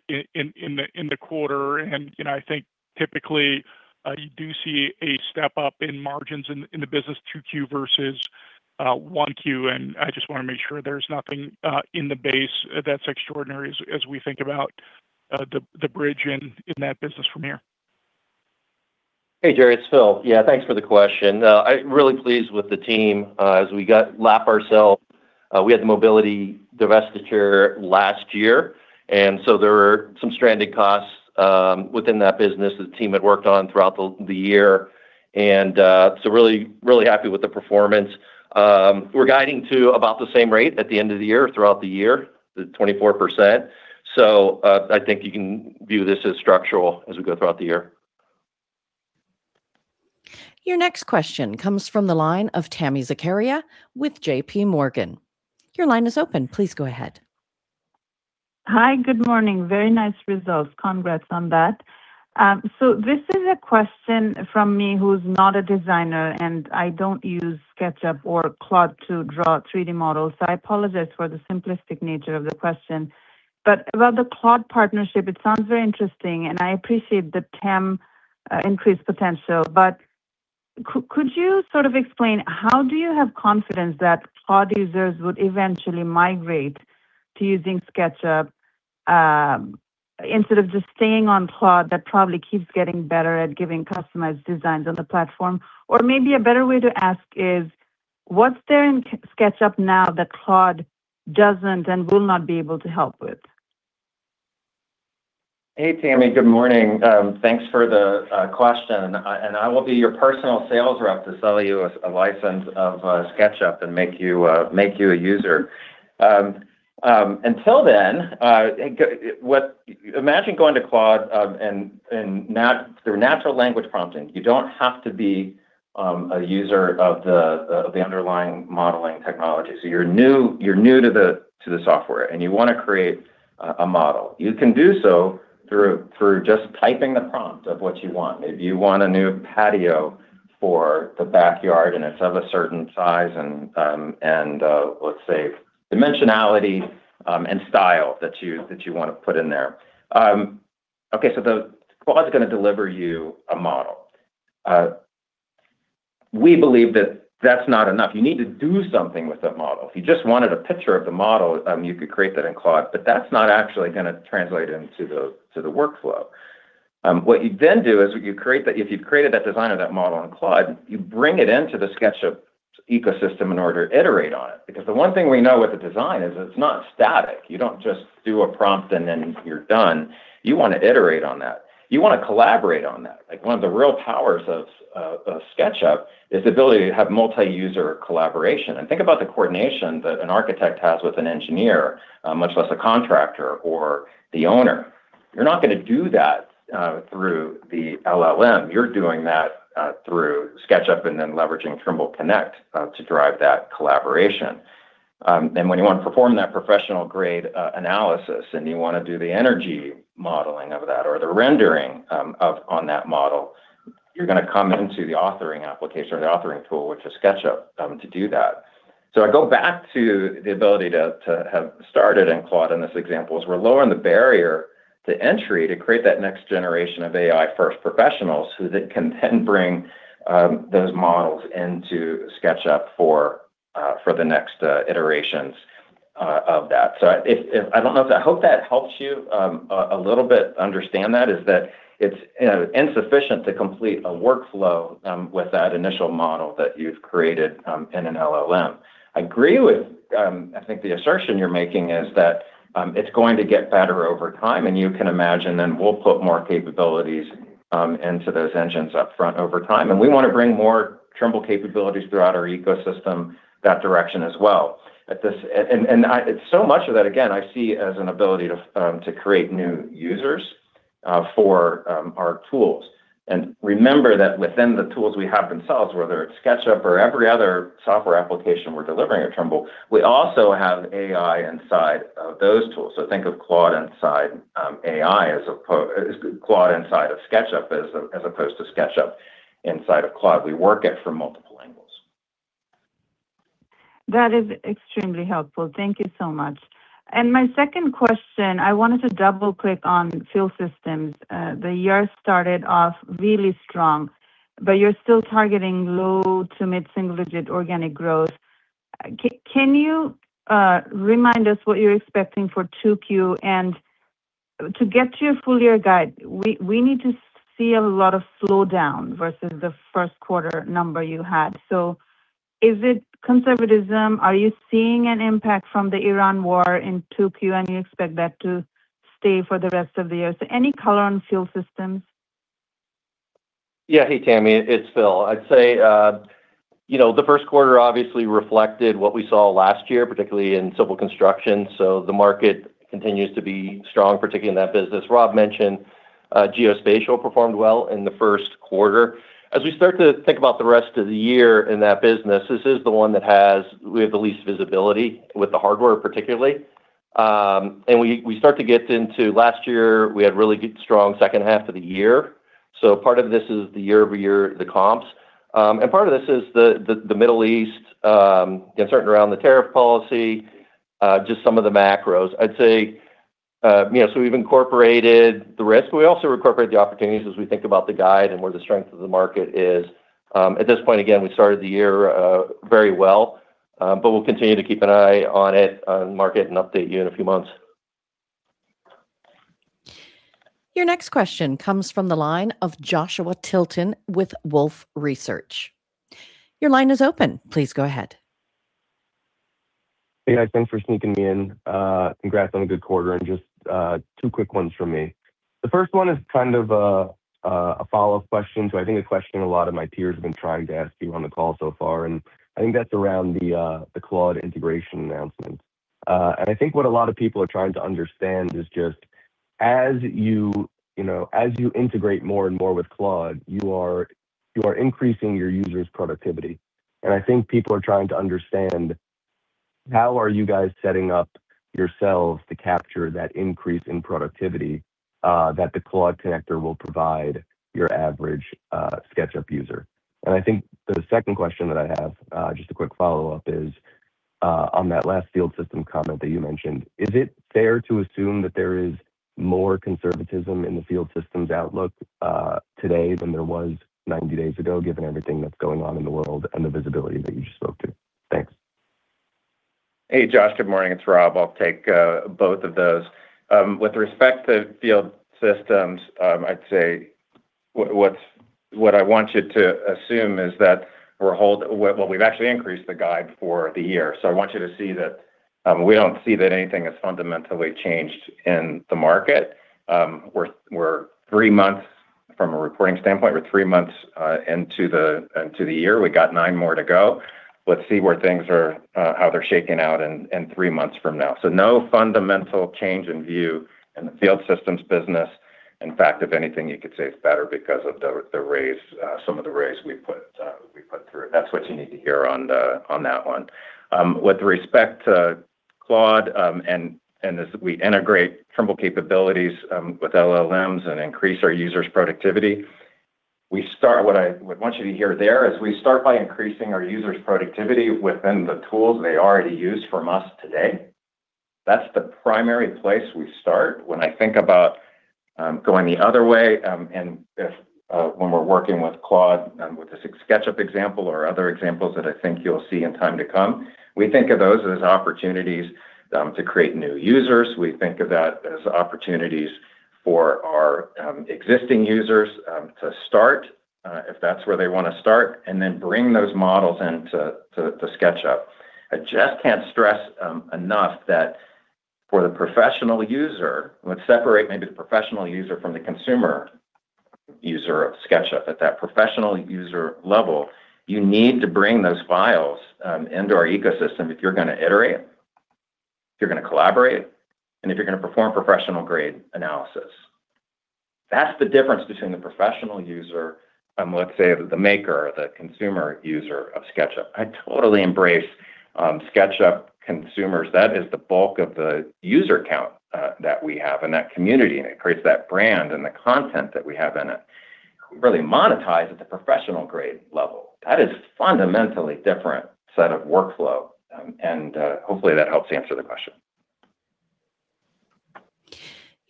in the quarter. You know, I think typically, you do see a step up in margins in the business 2Q versus 1Q. I just wanna make sure there's nothing in the base that's extraordinary as we think about the bridge in that business from here. Hey, Jerry, it's Phil. Yeah, thanks for the question. I'm really pleased with the team. As we got to lap ourselves, we had the mobility divestiture last year, there were some stranded costs within that business the team had worked on throughout the year. Really, really happy with the performance. We're guiding to about the same rate at the end of the year, throughout the year, the 24%. I think you can view this as structural as we go throughout the year. Your next question comes from the line of Tami Zakaria with JPMorgan. Your line is open. Please go ahead. Hi, good morning. Very nice results. Congrats on that. This is a question from me who's not a designer, and I don't use SketchUp or Claude to draw 3D models, so I apologize for the simplistic nature of the question. About the Claude partnership, it sounds very interesting, and I appreciate the TAM increased potential. Could you sort of explain how do you have confidence that Claude users would eventually migrate to using SketchUp instead of just staying on Claude that probably keeps getting better at giving customized designs on the platform? Maybe a better way to ask is, what's there in SketchUp now that Claude doesn't and will not be able to help with? Hey, Tami. Good morning. Thanks for the question. I will be your personal sales rep to sell you a license of SketchUp and make you a user. Until then, Imagine going to Claude through natural language prompting. You don't have to be a user of the underlying modeling technology. You're new to the software, and you wanna create a model. You can do so through just typing the prompt of what you want. If you want a new patio for the backyard and it's of a certain size, let's say, dimensionality and style that you wanna put in there. Claude's gonna deliver you a model. We believe that that's not enough. You need to do something with that model. If you just wanted a picture of the model, you could create that in Claude, but that's not actually gonna translate into the, to the workflow. What you then do is if you've created that design of that model in Claude, you bring it into the SketchUp ecosystem in order to iterate on it. The one thing we know with a design is it's not static. You don't just do a prompt and then you're done. You wanna iterate on that. You wanna collaborate on that. Like, one of the real powers of SketchUp is the ability to have multi-user collaboration. Think about the coordination that an architect has with an engineer, much less a contractor or the owner. You're not going to do that through the LLM. You're doing that through SketchUp and then leveraging Trimble Connect to drive that collaboration. When you want to perform that professional-grade analysis, and you want to do the energy modeling of that or the rendering on that model, you're going to come into the authoring application or the authoring tool, which is SketchUp, to do that. I go back to the ability to have started in Claude in this example, is we're lowering the barrier to entry to create that next generation of AI-first professionals who then can bring those models into SketchUp for the next iterations of that. I don't know if that I hope that helps you a little bit understand that, is that it's, you know, insufficient to complete a workflow with that initial model that you've created in an LLM. I agree with I think the assertion you're making is that it's going to get better over time, and you can imagine then we'll put more capabilities into those engines up front over time. We want to bring more Trimble capabilities throughout our ecosystem that direction as well. So much of that, again, I see as an ability to create new users for our tools. Remember that within the tools we have themselves, whether it's SketchUp or every other software application we're delivering at Trimble, we also have AI inside of those tools. Think of Claude inside AI, Claude inside of SketchUp as opposed to SketchUp inside of Claude. We work it from multiple angles. That is extremely helpful. Thank you so much. My second question, I wanted to double-click on Field Systems. The year started off really strong, but you're still targeting low to mid-single digit organic growth. Can you remind us what you're expecting for 2Q? To get to your full year guide, we need to see a lot of slowdown versus the first quarter number you had. Is it conservatism? Are you seeing an impact from the Iran war in 2Q, and you expect that to stay for the rest of the year? Any color on Field Systems? Yeah. Hey, Tami. It's Phil. I'd say, you know, the first quarter obviously reflected what we saw last year, particularly in civil construction, so the market continues to be strong particularly in that business. Rob mentioned. Geospatial performed well in the first quarter. As we start to think about the rest of the year in that business, this is the one that we have the least visibility with the hardware particularly. We start to get into last year, we had really good strong second half of the year. Part of this is the year-over-year, the comps. Part of this is the Middle East, uncertainty around the tariff policy, just some of the macros. I'd say, you know, we've incorporated the risk. We also incorporate the opportunities as we think about the guide and where the strength of the market is. At this point, again, we started the year very well, we'll continue to keep an eye on the market and update you in a few months. Your next question comes from the line of Joshua Tilton with Wolfe Research. Hey, guys, thanks for sneaking me in. Congrats on a good quarter, and just two quick ones from me. The first one is kind of a follow-up question to, I think, a question a lot of my peers have been trying to ask you on the call so far. I think that's around the Claude integration announcement. I think what a lot of people are trying to understand is just as you know, as you integrate more and more with Claude, you are increasing your users' productivity. I think people are trying to understand how are you guys setting up yourselves to capture that increase in productivity that the Claude connector will provide your average SketchUp user. I think the second question that I have, just a quick follow-up, is, on that last Field Systems comment that you mentioned, is it fair to assume that there is more conservatism in the Field Systems outlook, today than there was 90 days ago, given everything that's going on in the world and the visibility that you just spoke to? Thanks. Hey, Josh, good morning. It's Rob. I'll take both of those. With respect to Field Systems, I'd say what I want you to assume is that we've actually increased the guide for the year. I want you to see that we don't see that anything has fundamentally changed in the market. We're three months from a reporting standpoint. We're three months into the year. We got nine more to go. Let's see where things are, how they're shaking out in three months from now. No fundamental change in view in the Field Systems business. In fact, if anything, you could say it's better because of the raise, some of the raise we put, we put through. That's what you need to hear on that one. With respect to Claude, as we integrate Trimble capabilities with LLMs and increase our users' productivity, what I would want you to hear there is we start by increasing our users' productivity within the tools they already use from us today. That's the primary place we start. When I think about going the other way, if when we're working with Claude, with the SketchUp example or other examples that I think you'll see in time to come, we think of those as opportunities to create new users. We think of that as opportunities for our existing users to start, if that's where they wanna start, and then bring those models into to SketchUp. I just can't stress enough that for the professional user, let's separate maybe the professional user from the consumer user of SketchUp. At that professional user level, you need to bring those files into our ecosystem if you're gonna iterate, if you're gonna collaborate, and if you're gonna perform professional-grade analysis. That's the difference between the professional user and, let's say, the maker, the consumer user of SketchUp. I totally embrace SketchUp consumers. That is the bulk of the user count that we have in that community, and it creates that brand and the content that we have in it. We really monetize at the professional grade level. That is fundamentally different set of workflow, and hopefully, that helps answer the question.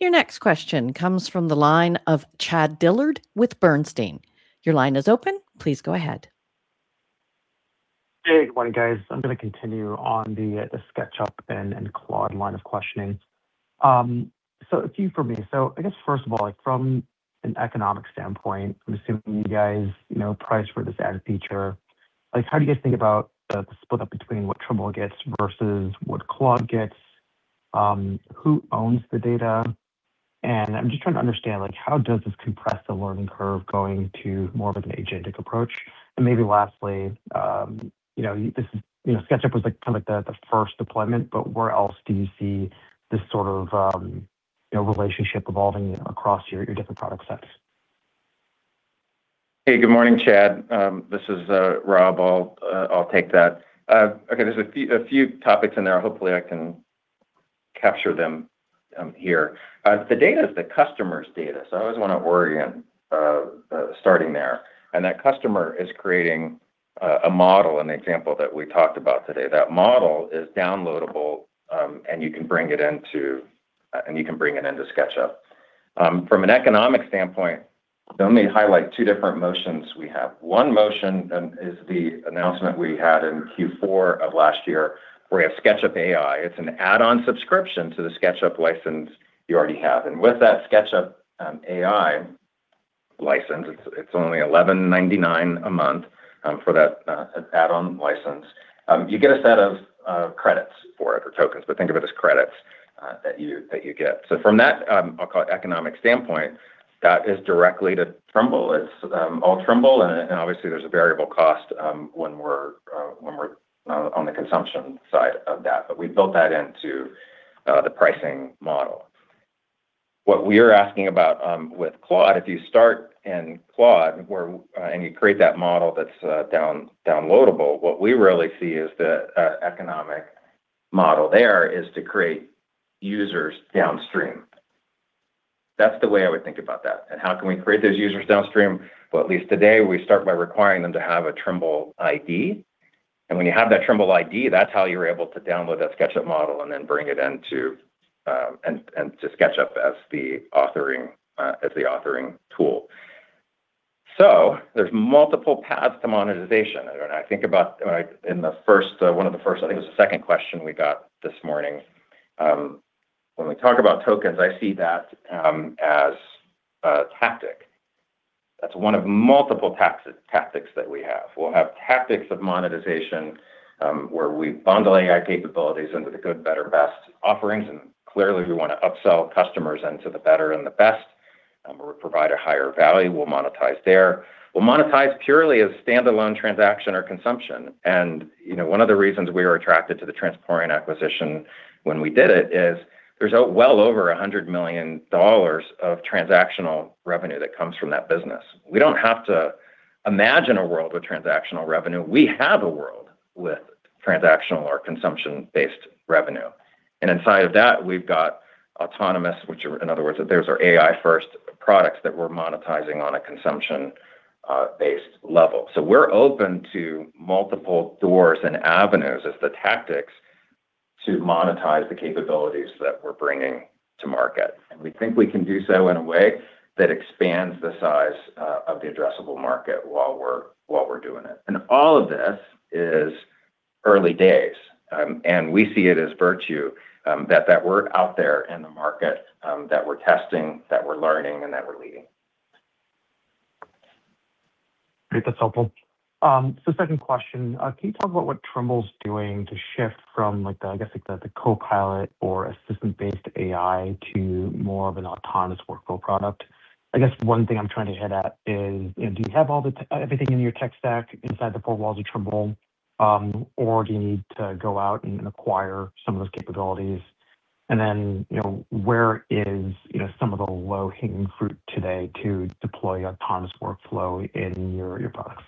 Your next question comes from the line of Chad Dillard with Bernstein. Your line is open. Please go ahead. Hey, good morning, guys. I'm gonna continue on the SketchUp and Claude line of questioning. A few from me. I guess, first of all, like from an economic standpoint, I'm assuming you guys, you know, price for this added feature. Like, how do you guys think about the split up between what Trimble gets versus what Claude gets? Who owns the data? I'm just trying to understand, like, how does this compress the learning curve going to more of an agentic approach? Maybe lastly, you know, this is, you know, SketchUp was like, kind of like the first deployment, but where else do you see this sort of, you know, relationship evolving, you know, across your different product sets? Hey, good morning, Chad. This is Rob. I'll take that. Okay, there's a few topics in there. Hopefully, I can capture them here. The data is the customer's data, so I always wanna orient starting there. That customer is creating a model, an example that we talked about today. That model is downloadable, you can bring it into SketchUp. From an economic standpoint, let me highlight two different motions we have. One motion is the announcement we had in Q4 of last year where we have SketchUp AI. It's an add-on subscription to the SketchUp license you already have. With that SketchUp AI license, it's only $11.99 a month for that add-on license. You get a set of credits for it, or tokens, but think of it as credits that you get. From that, I'll call it economic standpoint, that is directly to Trimble. It's all Trimble and obviously there's a variable cost when we're on the consumption side of that. We built that into the pricing model. What we are asking about with Claude, if you start in Claude where and you create that model that's downloadable, what we really see is the economic model there is to create users downstream. That's the way I would think about that. How can we create those users downstream? At least today, we start by requiring them to have a Trimble ID. When you have that Trimble ID, that's how you're able to download that SketchUp model and then bring it into SketchUp as the authoring tool. There's multiple paths to monetization. I think about when I in the first, one of the first, I think it was the second question we got this morning, when we talk about tokens, I see that as a tactic. That's one of multiple tactics that we have. We'll have tactics of monetization, where we bundle AI capabilities into the good, better, best offerings, and clearly we wanna upsell customers into the better and the best. We'll provide a higher value. We'll monetize there. We'll monetize purely as standalone transaction or consumption. You know, one of the reasons we were attracted to the Transporeon acquisition when we did it is there's well over $100 million of transactional revenue that comes from that business. We don't have to imagine a world with transactional revenue. We have a world with transactional or consumption-based revenue. Inside of that, we've got autonomous, which are In other words, those are AI-first products that we're monetizing on a consumption based level. We're open to multiple doors and avenues as the tactics to monetize the capabilities that we're bringing to market. We think we can do so in a way that expands the size of the addressable market while we're doing it. All of this is early days. We see it as virtue, that we're out there in the market, that we're testing, that we're learning, and that we're leading. Great. That's helpful. Second question. Can you talk about what Trimble's doing to shift from like the, I guess, like the co-pilot or assistant-based AI to more of an autonomous workflow product? I guess one thing I'm trying to get at is, you know, do you have all the everything in your tech stack inside the four walls of Trimble, or do you need to go out and acquire some of those capabilities? Then, you know, where is, you know, some of the low-hanging fruit today to deploy autonomous workflow in your products?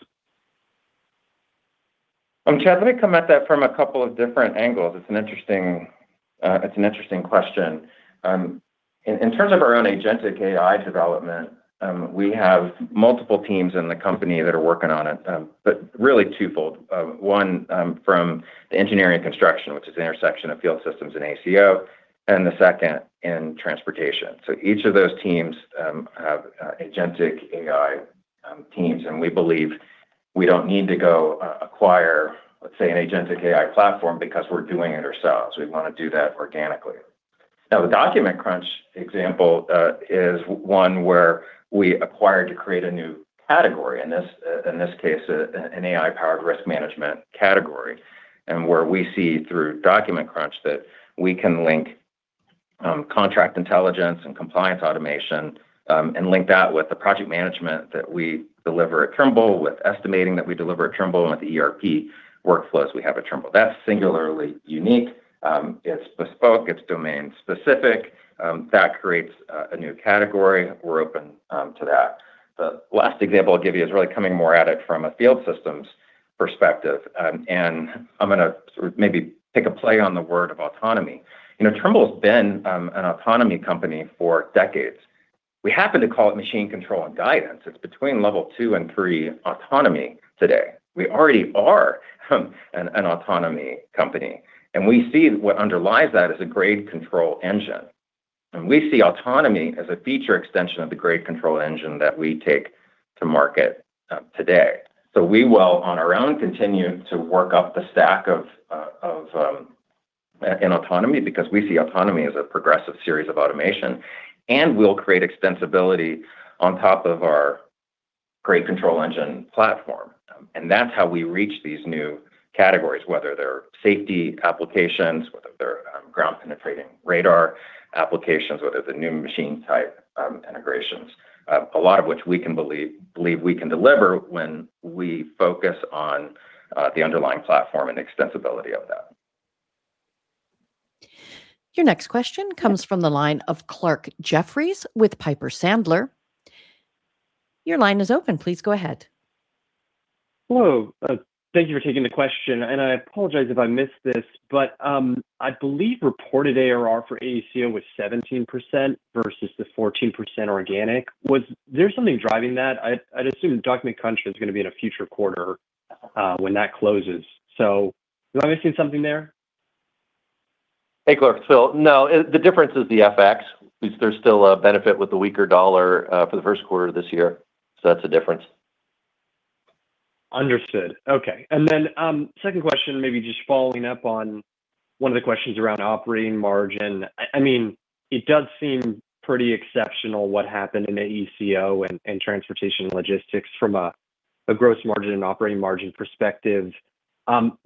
Chad, let me come at that from a couple of different angles. It's an interesting, it's an interesting question. In terms of our own agentic AI development, we have multiple teams in the company that are working on it. But really twofold. One, from the engineering construction, which is the intersection of Field Systems and AECO, and the second in transportation. Each of those teams have agentic AI teams, and we believe we don't need to go acquire, let's say, an agentic AI platform because we're doing it ourselves. We wanna do that organically. Now, the Document Crunch example is one where we acquired to create a new category. In this case, an AI-powered risk management category, where we see through Document Crunch that we can link contract intelligence and compliance automation, and link that with the project management that we deliver at Trimble, with estimating that we deliver at Trimble, and with the ERP workflows we have at Trimble. That's singularly unique. It's bespoke. It's domain specific. That creates a new category. We're open to that. The last example I'll give you is really coming more at it from a Field Systems perspective. I'm gonna sort of maybe take a play on the word of autonomy. You know, Trimble's been an autonomy company for decades. We happen to call it machine control and guidance. It's between Level 2 and 3 autonomy today. We already are an autonomy company. We see what underlies that is a grade control engine. We see autonomy as a feature extension of the grade control engine that we take to market today. We will, on our own, continue to work up the stack in autonomy because we see autonomy as a progressive series of automation, and we'll create extensibility on top of our grade control engine platform. That's how we reach these new categories, whether they're safety applications, whether they're ground-penetrating radar applications, whether they're new machine-type integrations. A lot of which we can believe we can deliver when we focus on the underlying platform and extensibility of that. Your next question comes from the line of Clarke Jeffries with Piper Sandler. Your line is open. Please go ahead. Hello. Thank you for taking the question, and I apologize if I missed this, but I believe reported ARR for AECO was 17% versus the 14% organic. Was there something driving that? I'd assume Document Crunch is gonna be in a future quarter, when that closes. Am I missing something there? Hey, Clarke. No, the difference is the FX. There's still a benefit with the weaker dollar for the first quarter of this year. That's the difference. Understood. Okay. Second question, maybe just following up on one of the questions around operating margin. I mean, it does seem pretty exceptional what happened in AECO and transportation and logistics from a gross margin and operating margin perspective.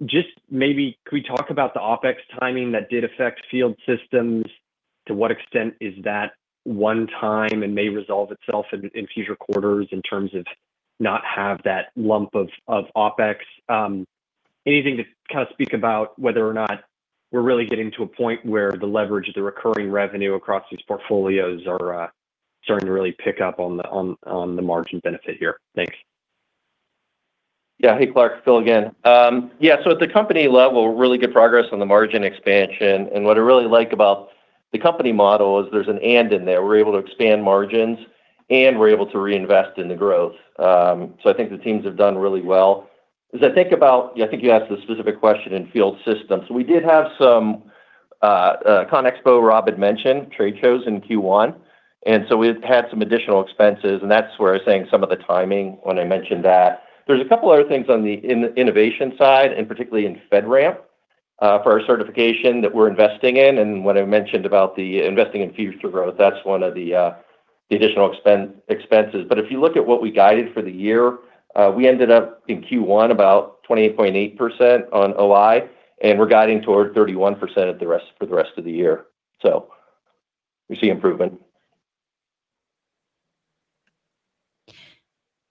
Just maybe could we talk about the OpEx timing that did affect Field Systems? To what extent is that one time and may resolve itself in future quarters in terms of not have that lump of OpEx? Anything to kind of speak about whether or not we're really getting to a point where the leverage of the recurring revenue across these portfolios are starting to really pick up on the margin benefit here? Thanks. Yeah. Hey, Clarke. Phil again. At the company level, really good progress on the margin expansion. What I really like about the company model is there's an and in there. We're able to expand margins, and we're able to reinvest in the growth. I think the teams have done really well. As I think about I think you asked this specific question in Field Systems. We did have some CONEXPO Rob had mentioned, trade shows in Q1, so we had had some additional expenses, and that's where I was saying some of the timing when I mentioned that. There's a couple other things on the innovation side, particularly in FedRAMP for our certification that we're investing in and what I mentioned about the investing in future growth. That's one of the additional expenses. If you look at what we guided for the year, we ended up in Q1 about 28.8% on OI, and we're guiding toward 31% for the rest of the year. We see improvement.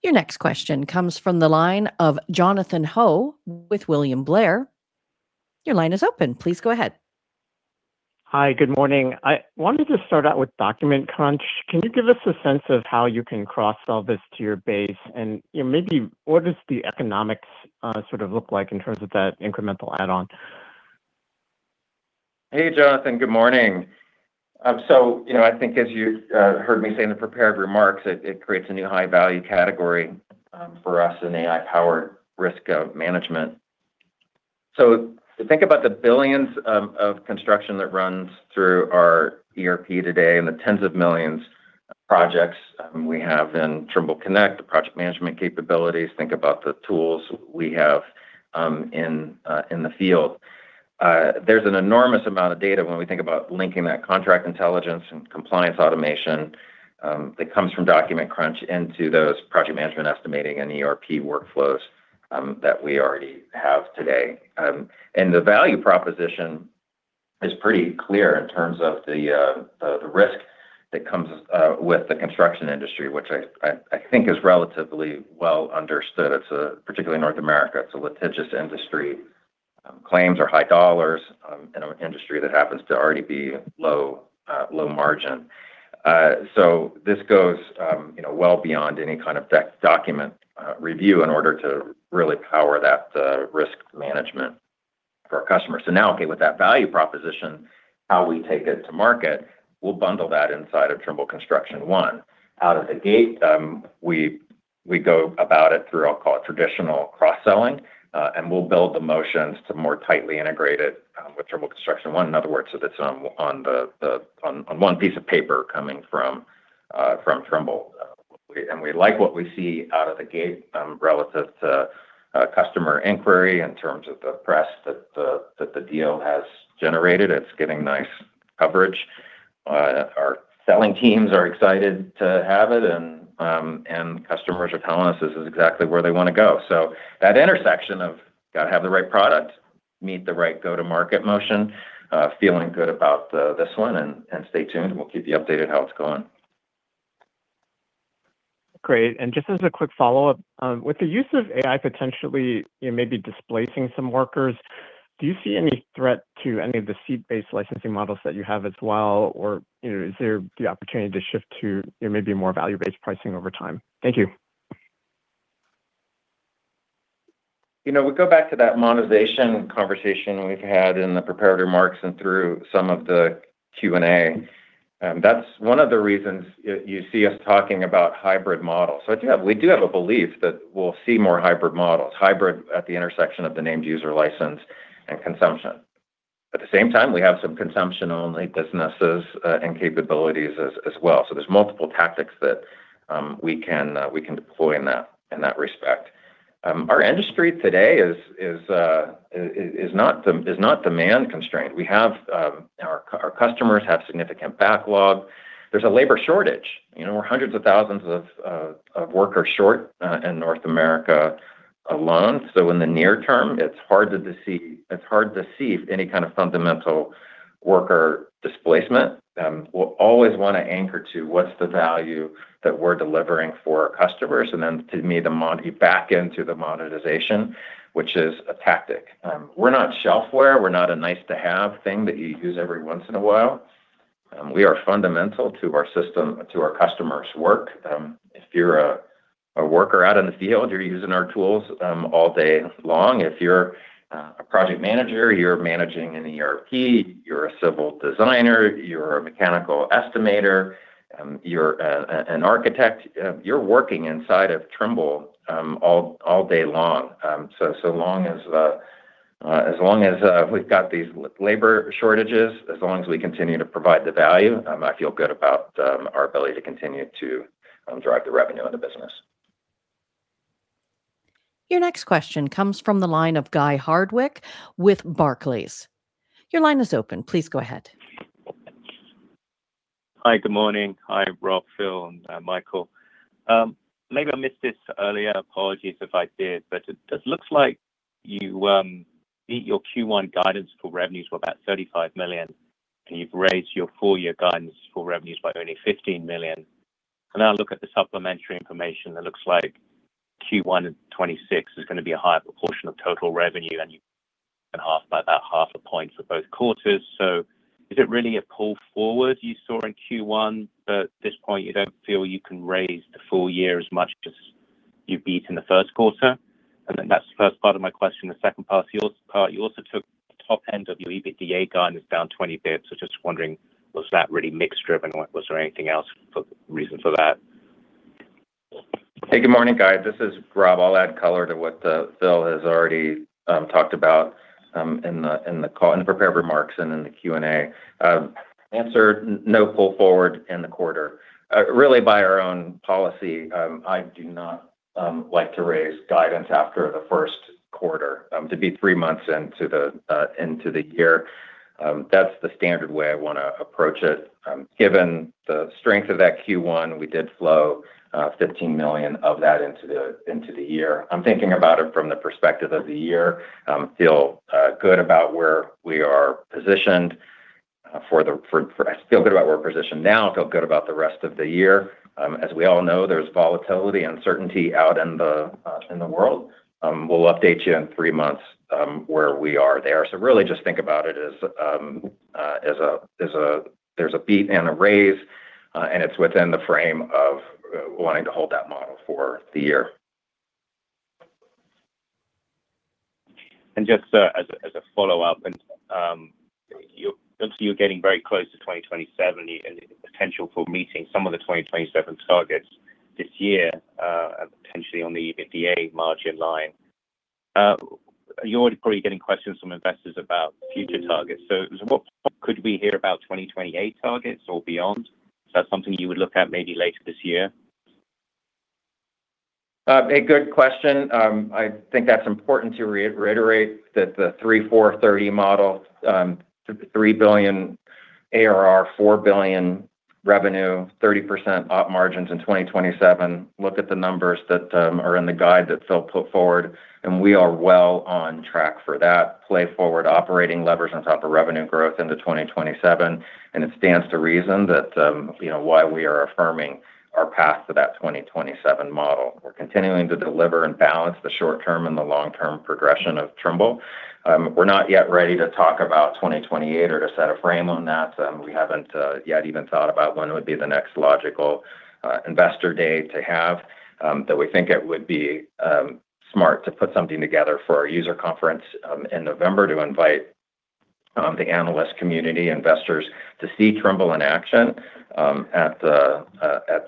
Your next question comes from the line of Jonathan Ho with William Blair. Hi. Good morning. I wanted to start out with Document Crunch. Can you give us a sense of how you can cross-sell this to your base? You know, maybe what does the economics sort of look like in terms of that incremental add-on? Hey, Jonathan. Good morning. You know, I think as you heard me say in the prepared remarks, it creates a new high value category for us in AI-powered risk management. To think about the billions of construction that runs through our ERP today and the tens of millions projects we have in Trimble Connect, the project management capabilities, think about the tools we have in the field. There's an enormous amount of data when we think about linking that contract intelligence and compliance automation that comes from Document Crunch into those project management estimating and ERP workflows that we already have today. The value proposition is pretty clear in terms of the risk that comes with the construction industry, which I think is relatively well understood. It's a, particularly in North America, it's a litigious industry. Claims are high dollars, in an industry that happens to already be low, low margin. This goes, you know, well beyond any kind of document review in order to really power that risk management for our customers. Now, okay, with that value proposition, how we take it to market, we'll bundle that inside of Trimble Construction One. Out of the gate, we go about it through, I'll call it, traditional cross-selling. We'll build the motions to more tightly integrate it with Trimble Construction One, in other words, that it's on one piece of paper coming from Trimble. We like what we see out of the gate, relative to customer inquiry in terms of the press that the deal has generated. It's getting nice coverage. Our selling teams are excited to have it, and customers are telling us this is exactly where they wanna go. That intersection of gotta have the right product, meet the right go-to-market motion, feeling good about the, this one, and stay tuned, and we'll keep you updated how it's going. Great. Just as a quick follow-up, with the use of AI potentially, you know, maybe displacing some workers, do you see any threat to any of the seat-based licensing models that you have as well? Or, you know, is there the opportunity to shift to, you know, maybe more value-based pricing over time? Thank you. You know, we go back to that monetization conversation we've had in the prepared remarks and through some of the Q&A. That's one of the reasons you see us talking about hybrid models. We do have a belief that we'll see more hybrid models, hybrid at the intersection of the named user license and consumption. At the same time, we have some consumption-only businesses and capabilities as well. There's multiple tactics that we can deploy in that respect. Our industry today is not demand constrained. We have our customers have significant backlog. There's a labor shortage. You know, we're hundreds of thousands of workers short in North America alone. In the near term, it's hard to see any kind of fundamental worker displacement. We'll always wanna anchor to what's the value that we're delivering for our customers, and then to me, back into the monetization, which is a tactic. We're not shelfware. We're not a nice to have thing that you use every once in a while. We are fundamental to our system, to our customers' work. If you're a worker out in the field, you're using our tools all day long. If you're a project manager, you're managing an ERP, you're a civil designer, you're a mechanical estimator, you're an architect, you're working inside of Trimble all day long. Long as long as we've got these labor shortages, as long as we continue to provide the value, I feel good about our ability to continue to drive the revenue in the business. Your next question comes from the line of Guy Hardwick with Barclays. Your line is open. Please go ahead. Hi. Good morning. Hi, Rob, Phil, and Michael. Maybe I missed this earlier, apologies if I did, but it looks like you beat your Q1 guidance for revenues were about $35 million, and you've raised your full year guidance for revenues by only $15 million. I look at the supplementary information, it looks like Q1 2026 is gonna be a higher proportion of total revenue than you [inaudible] and half by that half a point for both quarters. Is it really a pull forward you saw in Q1, but at this point you don't feel you can raise the full year as much as you beat in the first quarter? That's the first part of my question. The second part, you also took the top end of your EBITDA guidance down 20 basis points. Just wondering, was that really mix-driven or was there anything else for reason for that? Hey, good morning, guys. This is Rob. I'll add color to what Phil has already talked about in the call, in the prepared remarks and in the Q&A. Answer, no pull forward in the quarter. Really by our own policy, I do not like to raise guidance after the first quarter, to be three months into the year. That's the standard way I wanna approach it. Given the strength of that Q1, we did flow $15 million of that into the year. I'm thinking about it from the perspective of the year. I feel good about where we're positioned now, feel good about the rest of the year. As we all know, there's volatility, uncertainty out in the world. We'll update you in three months where we are there. Really just think about it as there's a beat and a raise, and it's within the frame of wanting to hold that model for the year. Just as a follow-up, looks like you're getting very close to 2027. Potential for meeting some of the 2027 targets this year, potentially on the EBITDA margin line. You're probably getting questions from investors about future targets. What could we hear about 2028 targets or beyond? Is that something you would look at maybe later this year? A good question. I think that's important to re-reiterate that the 3/4/30 model, $3 billion ARR, $4 billion revenue, 30% op margins in 2027. Look at the numbers that are in the guide that Phil put forward, we are well on track for that play forward operating leverage on top of revenue growth into 2027. It stands to reason that, you know, why we are affirming our path to that 2027 model. We're continuing to deliver and balance the short-term and the long-term progression of Trimble. We're not yet ready to talk about 2028 or to set a frame on that. We haven't yet even thought about when would be the next logical Investor Day to have. That we think it would be smart to put something together for our user conference in November to invite the analyst community investors to see Trimble in action at the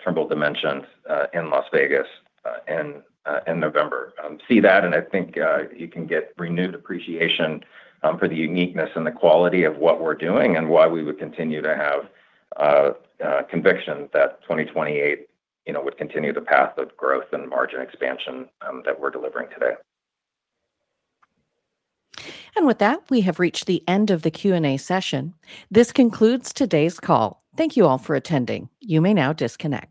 Trimble Dimensions in Las Vegas in November. See that, and I think you can get renewed appreciation for the uniqueness and the quality of what we're doing and why we would continue to have conviction that 2028, you know, would continue the path of growth and margin expansion that we're delivering today. With that, we have reached the end of the Q&A session. This concludes today's call. Thank you all for attending. You may now disconnect.